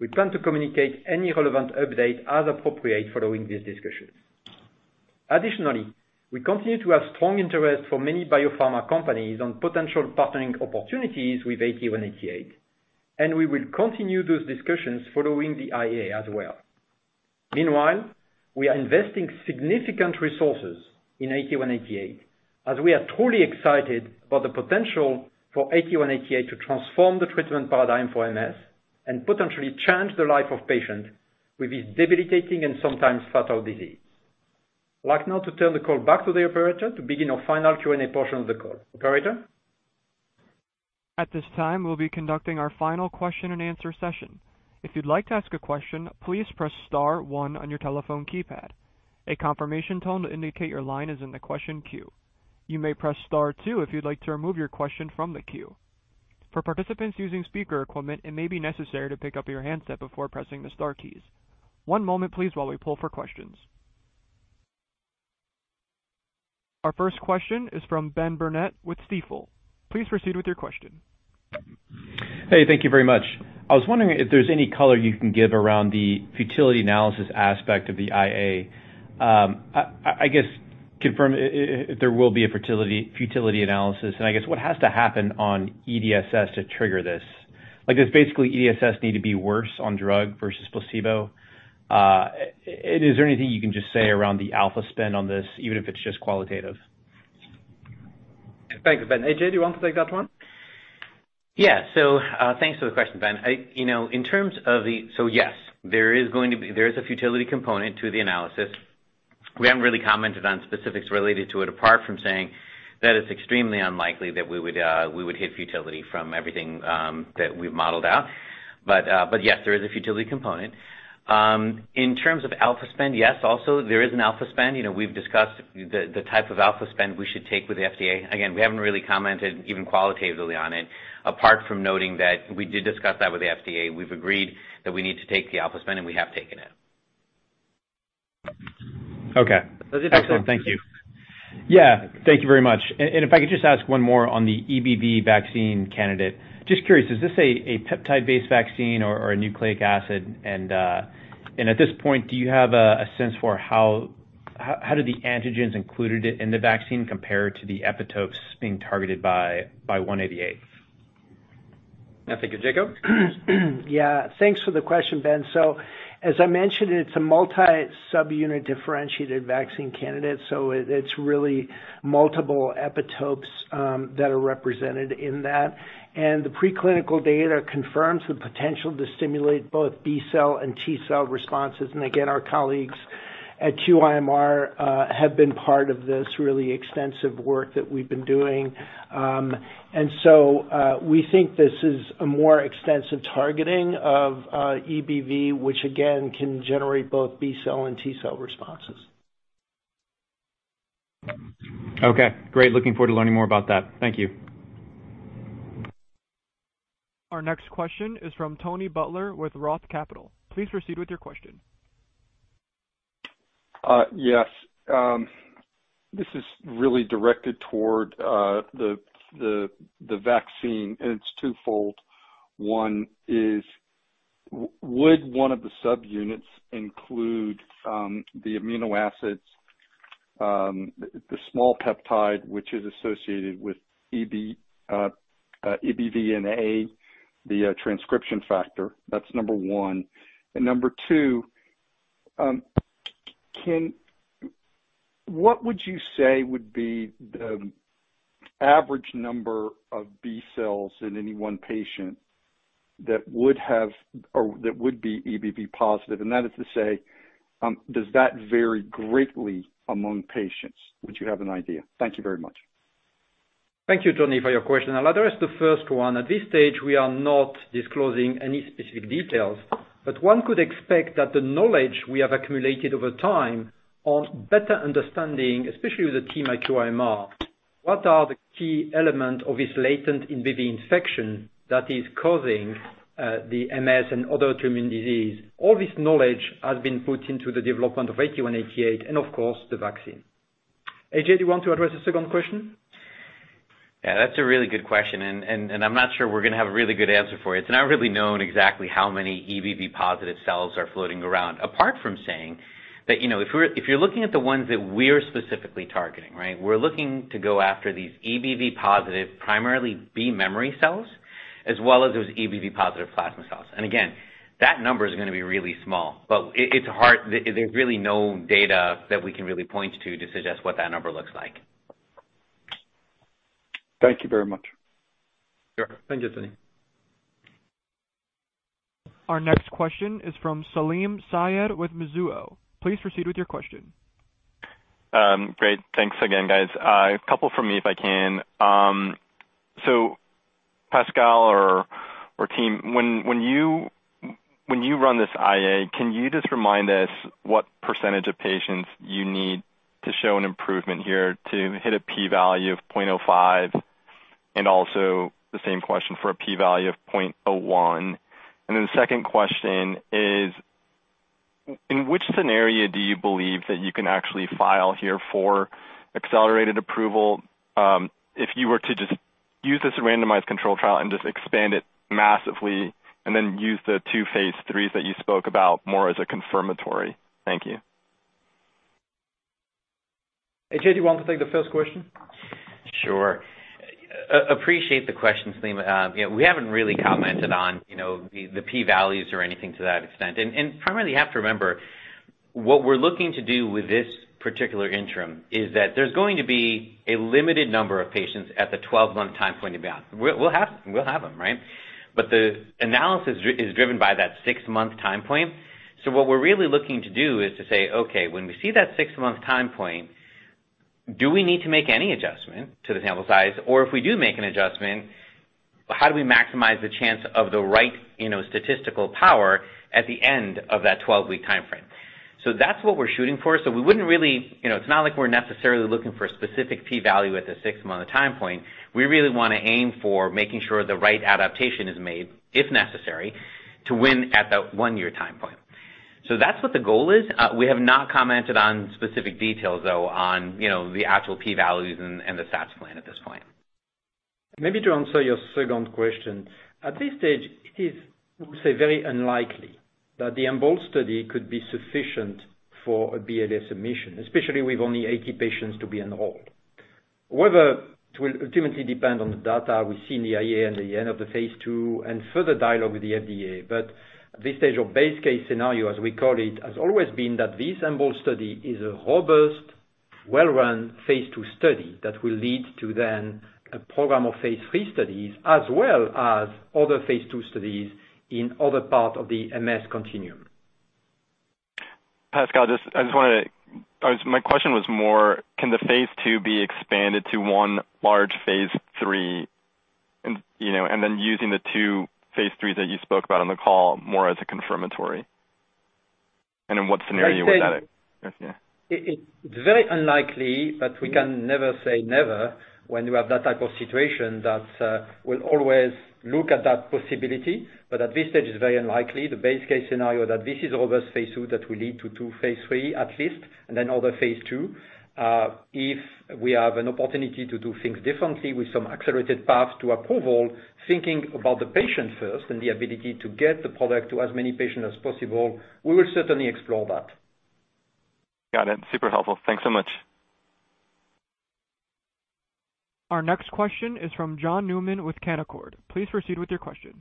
Speaker 3: We plan to communicate any relevant update as appropriate following these discussions. Additionally, we continue to have strong interest from many biopharma companies on potential partnering opportunities with ATA188, and we will continue those discussions following the IA as well. Meanwhile, we are investing significant resources in ATA188 as we are truly excited about the potential for ATA188 to transform the treatment paradigm for MS and potentially change the life of patients with this debilitating and sometimes fatal disease. I'd like now to turn the call back to the operator to begin our final Q&A portion of the call. Operator?
Speaker 1: At this time, we'll be conducting our final question and answer session. If you'd like to ask a question, please press star one on your telephone keypad. You will hear a confirmation tone to indicate your line is in the question queue. You may press star two if you'd like to remove your question from the queue. For participants using speaker equipment, it may be necessary to pick up your handset before pressing the star keys. One moment please while we pull for questions. Our first question is from Ben Burnett with Stifel. Please proceed with your question.
Speaker 13: Hey, thank you very much. I was wondering if there's any color you can give around the futility analysis aspect of the IA. I guess confirm if there will be a futility analysis. I guess what has to happen on EDSS to trigger this? Like, does basically EDSS need to be worse on drug versus placebo? Is there anything you can just say around the alpha spend on this, even if it's just qualitative?
Speaker 3: Thanks, Ben. AJ, do you want to take that one?
Speaker 7: Yeah, thanks for the question, Ben. You know, in terms of the, yes, there is a futility component to the analysis. We haven't really commented on specifics related to it, apart from saying that it's extremely unlikely that we would hit futility from everything that we've modeled out. Yes, there is a futility component. In terms of alpha spend, yes, also there is an alpha spend. You know, we've discussed the type of alpha spend we should take with the FDA. Again, we haven't really commented even qualitatively on it, apart from noting that we did discuss that with the FDA. We've agreed that we need to take the alpha spend, and we have taken it.
Speaker 13: Okay.
Speaker 7: Does that answer?
Speaker 13: Excellent. Thank you. Yeah. Thank you very much. If I could just ask one more on the EBV vaccine candidate. Just curious, is this a peptide-based vaccine or a nucleic acid? At this point, do you have a sense for how the antigens included in the vaccine compare to the epitopes being targeted by ATA188?
Speaker 3: I think Jakob?
Speaker 12: Yeah. Thanks for the question, Ben. As I mentioned, it's a multi-subunit differentiated vaccine candidate. It's really multiple epitopes that are represented in that. The preclinical data confirms the potential to stimulate both B-cell and T-cell responses. Again, our colleagues at QIMR have been part of this really extensive work that we've been doing. We think this is a more extensive targeting of EBV, which again, can generate both B-cell and T-cell responses.
Speaker 13: Okay, great. Looking forward to learning more about that. Thank you.
Speaker 1: Our next question is from Tony Butler with Roth Capital. Please proceed with your question.
Speaker 14: Yes. This is really directed toward the vaccine, and it's twofold. One is, would one of the subunits include the amino acids, the small peptide which is associated with EBNA, the transcription factor? That's number one. Number two, what would you say would be the average number of B-cells in any one patient that would have or that would be EBV positive? That is to say, does that vary greatly among patients? Would you have an idea? Thank you very much.
Speaker 3: Thank you, Tony, for your question. I'll address the first one. At this stage, we are not disclosing any specific details, but one could expect that the knowledge we have accumulated over time on better understanding, especially with the team at QIMR, what are the key element of this latent EBV infection that is causing the MS and other autoimmune disease. All this knowledge has been put into the development of ATA188 and of course the vaccine. AJ, do you want to address the second question?
Speaker 7: Yeah, that's a really good question, and I'm not sure we're gonna have a really good answer for you. It's not really known exactly how many EBV positive cells are floating around. Apart from saying that, you know, if you're looking at the ones that we're specifically targeting, right? We're looking to go after these EBV positive, primarily B memory cells, as well as those EBV positive plasma cells. Again, that number is gonna be really small. It's hard. There's really no data that we can really point to to suggest what that number looks like.
Speaker 14: Thank you very much.
Speaker 3: Sure. Thank you, Tony.
Speaker 1: Our next question is from Salim Syed with Mizuho. Please proceed with your question.
Speaker 10: Great. Thanks again, guys. A couple from me, if I can. So Pascal or team, when you run this IA, can you just remind us what percentage of patients you need to show an improvement here to hit a p-value of 0.05? And also the same question for a p-value of 0.01. Then the second question is, which scenario do you believe that you can actually file here for accelerated approval, if you were to use this randomized controlled trial and just expand it massively, and then use the two phase IIIs that you spoke about more as a confirmatory? Thank you.
Speaker 3: AJ, do you want to take the first question?
Speaker 7: Sure. Appreciate the question, Salim. You know, we haven't really commented on, you know, the P values or anything to that extent. Primarily you have to remember what we're looking to do with this particular interim is that there's going to be a limited number of patients at the 12-month time point advanced. We'll have them, right? The analysis is driven by that 6-month time point. What we're really looking to do is to say, okay, when we see that 6-month time point, do we need to make any adjustment to the sample size? Or if we do make an adjustment, how do we maximize the chance of the right, you know, statistical power at the end of that 12-week timeframe? That's what we're shooting for. We wouldn't really You know, it's not like we're necessarily looking for a specific P value at the six-month time point. We really wanna aim for making sure the right adaptation is made, if necessary, to win at that one-year time point. That's what the goal is. We have not commented on specific details, though, on, you know, the actual P values and the stats plan at this point.
Speaker 3: Maybe to answer your second question. At this stage, it is, we'll say very unlikely that the EMBOLD study could be sufficient for a BLA submission, especially with only 80 patients to be enrolled. Whether it will ultimately depend on the data we see in the IA and the end of the phase II and further dialogue with the FDA. Your base case scenario, as we call it, has always been that this EMBOLD study is a robust, well-run phase II study that will lead to then a program of phase III studies as well as other phase II studies in other parts of the MS continuum.
Speaker 10: Pascal, my question was more, can the phase II be expanded to one large phase III? You know, and then using the two phase III that you spoke about on the call more as a confirmatory. In what scenario would that occur?
Speaker 3: It's very unlikely, but we can never say never when you have that type of situation. That, we'll always look at that possibility, but at this stage it's very unlikely. The base case scenario that this is a robust phase II that will lead to two phase III at least, and then other phase II. If we have an opportunity to do things differently with some accelerated path to approval, thinking about the patient first and the ability to get the product to as many patients as possible, we will certainly explore that.
Speaker 10: Got it. Super helpful. Thanks so much.
Speaker 1: Our next question is from John Newman with Canaccord. Please proceed with your question.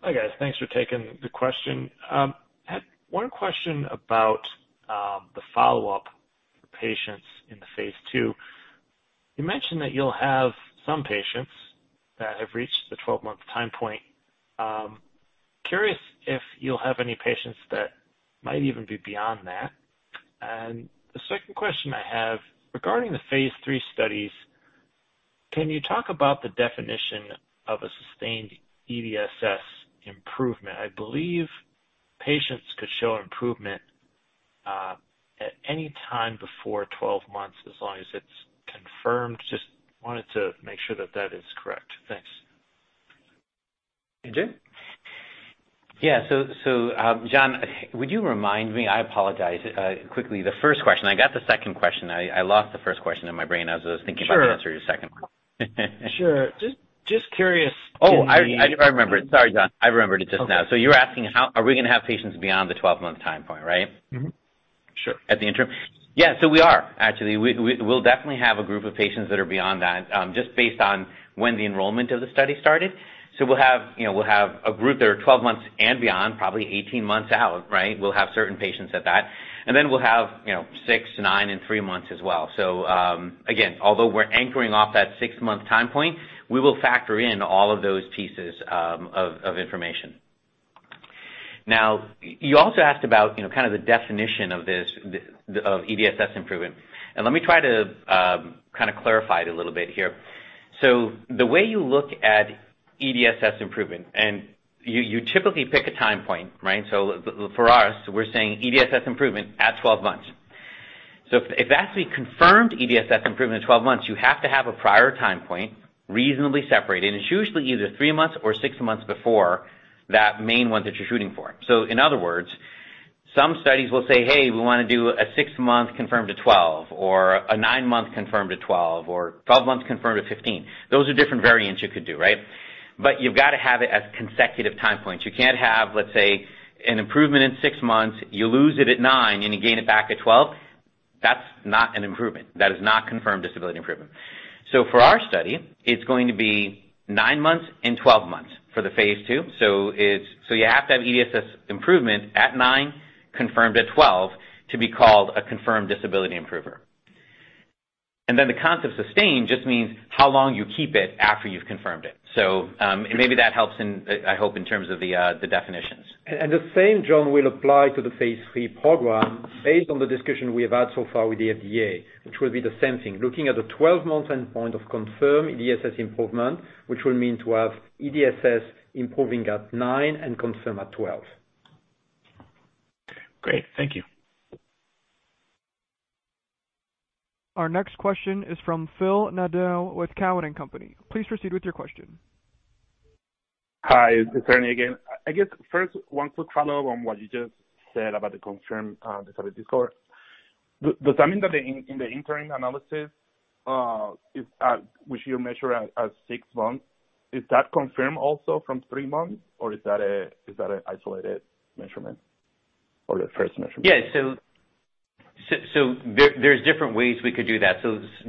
Speaker 9: Hi, guys. Thanks for taking the question. I had one question about the follow-up patients in the phase II. You mentioned that you'll have some patients that have reached the 12-month time point. Curious if you'll have any patients that might even be beyond that. The second question I have, regarding the phase III studies, can you talk about the definition of a sustained EDSS improvement? I believe patients could show improvement at any time before 12 months, as long as it's confirmed. Just wanted to make sure that that is correct. Thanks.
Speaker 3: AJ?
Speaker 7: Yeah. John, would you remind me? I apologize, quickly the first question. I got the second question. I lost the first question in my brain as I was thinking.
Speaker 9: Sure.
Speaker 7: about how to answer your second one.
Speaker 9: Sure. Just curious-
Speaker 7: Oh, I remember. Sorry, John, I remembered it just now.
Speaker 9: Okay.
Speaker 7: You're asking how are we gonna have patients beyond the 12-month time point, right?
Speaker 9: Mm-hmm.
Speaker 7: Sure. At the interim? Yeah. We are actually. We'll definitely have a group of patients that are beyond that, just based on when the enrollment of the study started. We'll have, you know, a group that are 12 months and beyond, probably 18 months out, right? We'll have certain patients at that. We'll have, you know, six, nine and three months as well. Again, although we're anchoring off that six-month time point, we will factor in all of those pieces of information. Now, you also asked about, you know, kind of the definition of this of EDSS improvement. Let me try to kinda clarify it a little bit here. The way you look at EDSS improvement and you typically pick a time point, right? For us, we're saying EDSS improvement at 12 months. If that's a confirmed EDSS improvement at 12 months, you have to have a prior time point reasonably separated, and it's usually either three months or six months before that main one that you're shooting for. In other words, some studies will say, "Hey, we wanna do a six-month confirmed to 12 or a nine-month confirmed to 12 or 12 months confirmed to 15." Those are different variants you could do, right? You've gotta have it at consecutive time points. You can't have, let's say, an improvement in 6 months, you lose it at nine and you gain it back at 12. That's not an improvement. That is not confirmed disability improvement. For our study, it's going to be 9 months and 12 months for phase II. You have to have EDSS improvement at nine, confirmed at 12 to be called a confirmed disability improver. The concept sustained just means how long you keep it after you've confirmed it. Maybe that helps, I hope, in terms of the definitions.
Speaker 3: The same, John, will apply to the phase III program based on the discussion we have had so far with the FDA, which will be the same thing, looking at the 12-month endpoint of confirmed EDSS improvement, which will mean to have EDSS improving at 9 and confirm at 12.
Speaker 9: Great. Thank you.
Speaker 1: Our next question is from Phil Nadeau with Cowen and Company. Please proceed with your question.
Speaker 11: Hi, it's Ernie again. I guess first one quick follow on what you just said about the confirmed disability score. Does that mean that in the interim analysis, which you measure at six months, is that confirmed also from three months, or is that an isolated measurement or the first measurement?
Speaker 7: Yeah. There, there's different ways we could do that.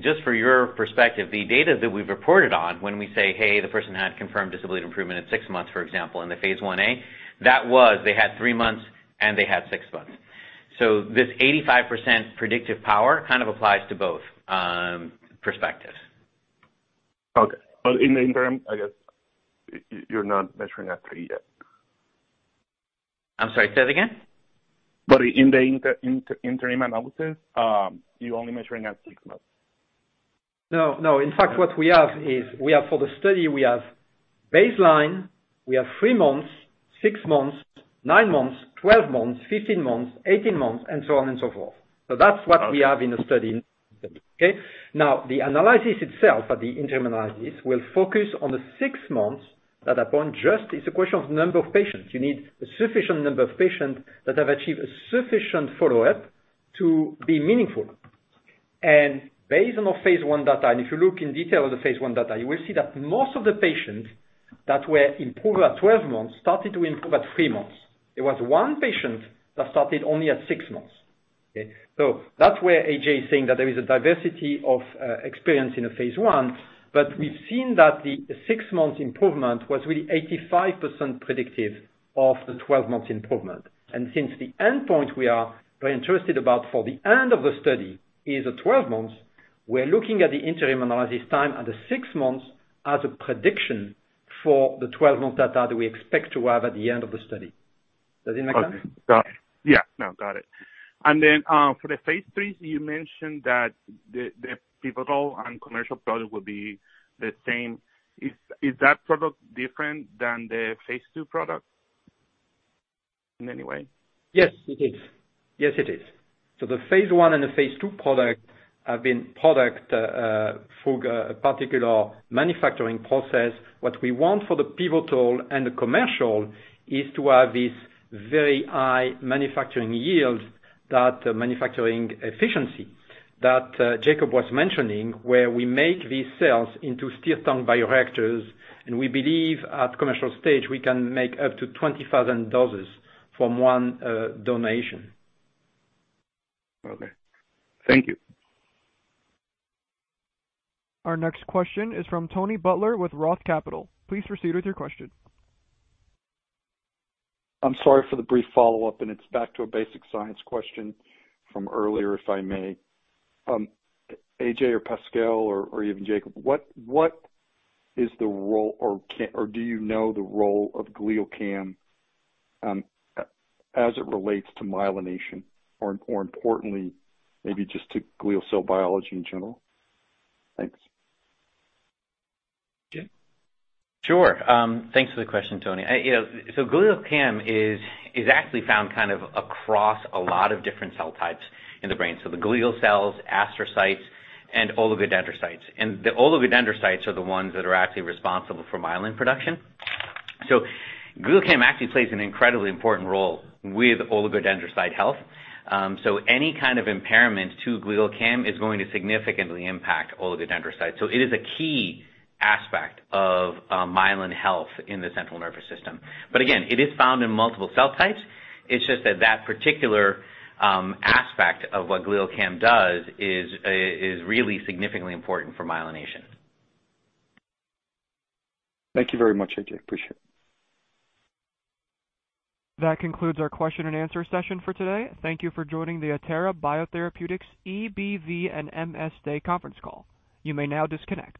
Speaker 7: Just for your perspective, the data that we've reported on when we say, "Hey, the person had confirmed disability improvement at six months," for example, in the phase 1A, that was they had three months and they had six months. This 85% predictive power kind of applies to both, perspectives.
Speaker 11: Okay. In the interim, I guess you're not measuring at three yet.
Speaker 7: I'm sorry, say that again.
Speaker 11: In the interim analysis, you're only measuring at six months.
Speaker 3: No, no. In fact, what we have is we have, for the study, we have baseline, we have three months, six months, nine months, 12 months, 15 months, 18 months and so on and so forth. So that's what we have in the study. Okay? Now, the analysis itself or the interim analysis will focus on the six months at that point, just it's a question of number of patients. You need a sufficient number of patients that have achieved a sufficient follow-up to be meaningful. Based on our phase I data, and if you look in detail at the phase I data, you will see that most of the patients that were improved at 12 months started to improve at three months. There was one patient that started only at 6 months. Okay? That's where AJ is saying that there is a diversity of experience in the phase I, but we've seen that the six-month improvement was really 85% predictive of the 12-month improvement. Since the endpoint we are very interested about for the end of the study is at 12 months, we're looking at the interim analysis time under 6 months as a prediction for the 12-month data that we expect to have at the end of the study. Does that make sense?
Speaker 11: Okay. Got it. Yeah, no, got it. For the phase IIIs, you mentioned that the pivotal and commercial product will be the same. Is that product different than the phase II product in any way?
Speaker 3: Yes, it is. The phase I and the phase II product have been produced for a particular manufacturing process. What we want for the pivotal and the commercial is to have this very high manufacturing yield that manufacturing efficiency that Jakob was mentioning, where we make these cells into stirred-tank bioreactors, and we believe at commercial stage we can make up to 20,000 doses from one donation.
Speaker 11: Okay. Thank you.
Speaker 1: Our next question is from Tony Butler with Roth Capital. Please proceed with your question.
Speaker 14: I'm sorry for the brief follow-up, and it's back to a basic science question from earlier, if I may. AJ or Pascal or even Jakob, what is the role or do you know the role of GlialCAM as it relates to myelination or importantly maybe just to glial cell biology in general? Thanks.
Speaker 3: AJ.
Speaker 7: Sure. Thanks for the question, Tony. I, you know, GlialCAM is actually found kind of across a lot of different cell types in the brain. The glial cells, astrocytes, and oligodendrocytes. The oligodendrocytes are the ones that are actually responsible for myelin production. GlialCAM actually plays an incredibly important role with oligodendrocyte health. Any kind of impairment to GlialCAM is going to significantly impact oligodendrocyte. It is a key aspect of myelin health in the central nervous system. Again, it is found in multiple cell types. It's just that that particular aspect of what GlialCAM does is really significantly important for myelination.
Speaker 14: Thank you very much, AJ. Appreciate it.
Speaker 1: That concludes our question and answer session for today. Thank you for joining the Atara Biotherapeutics EBV and MS Day conference call. You may now disconnect.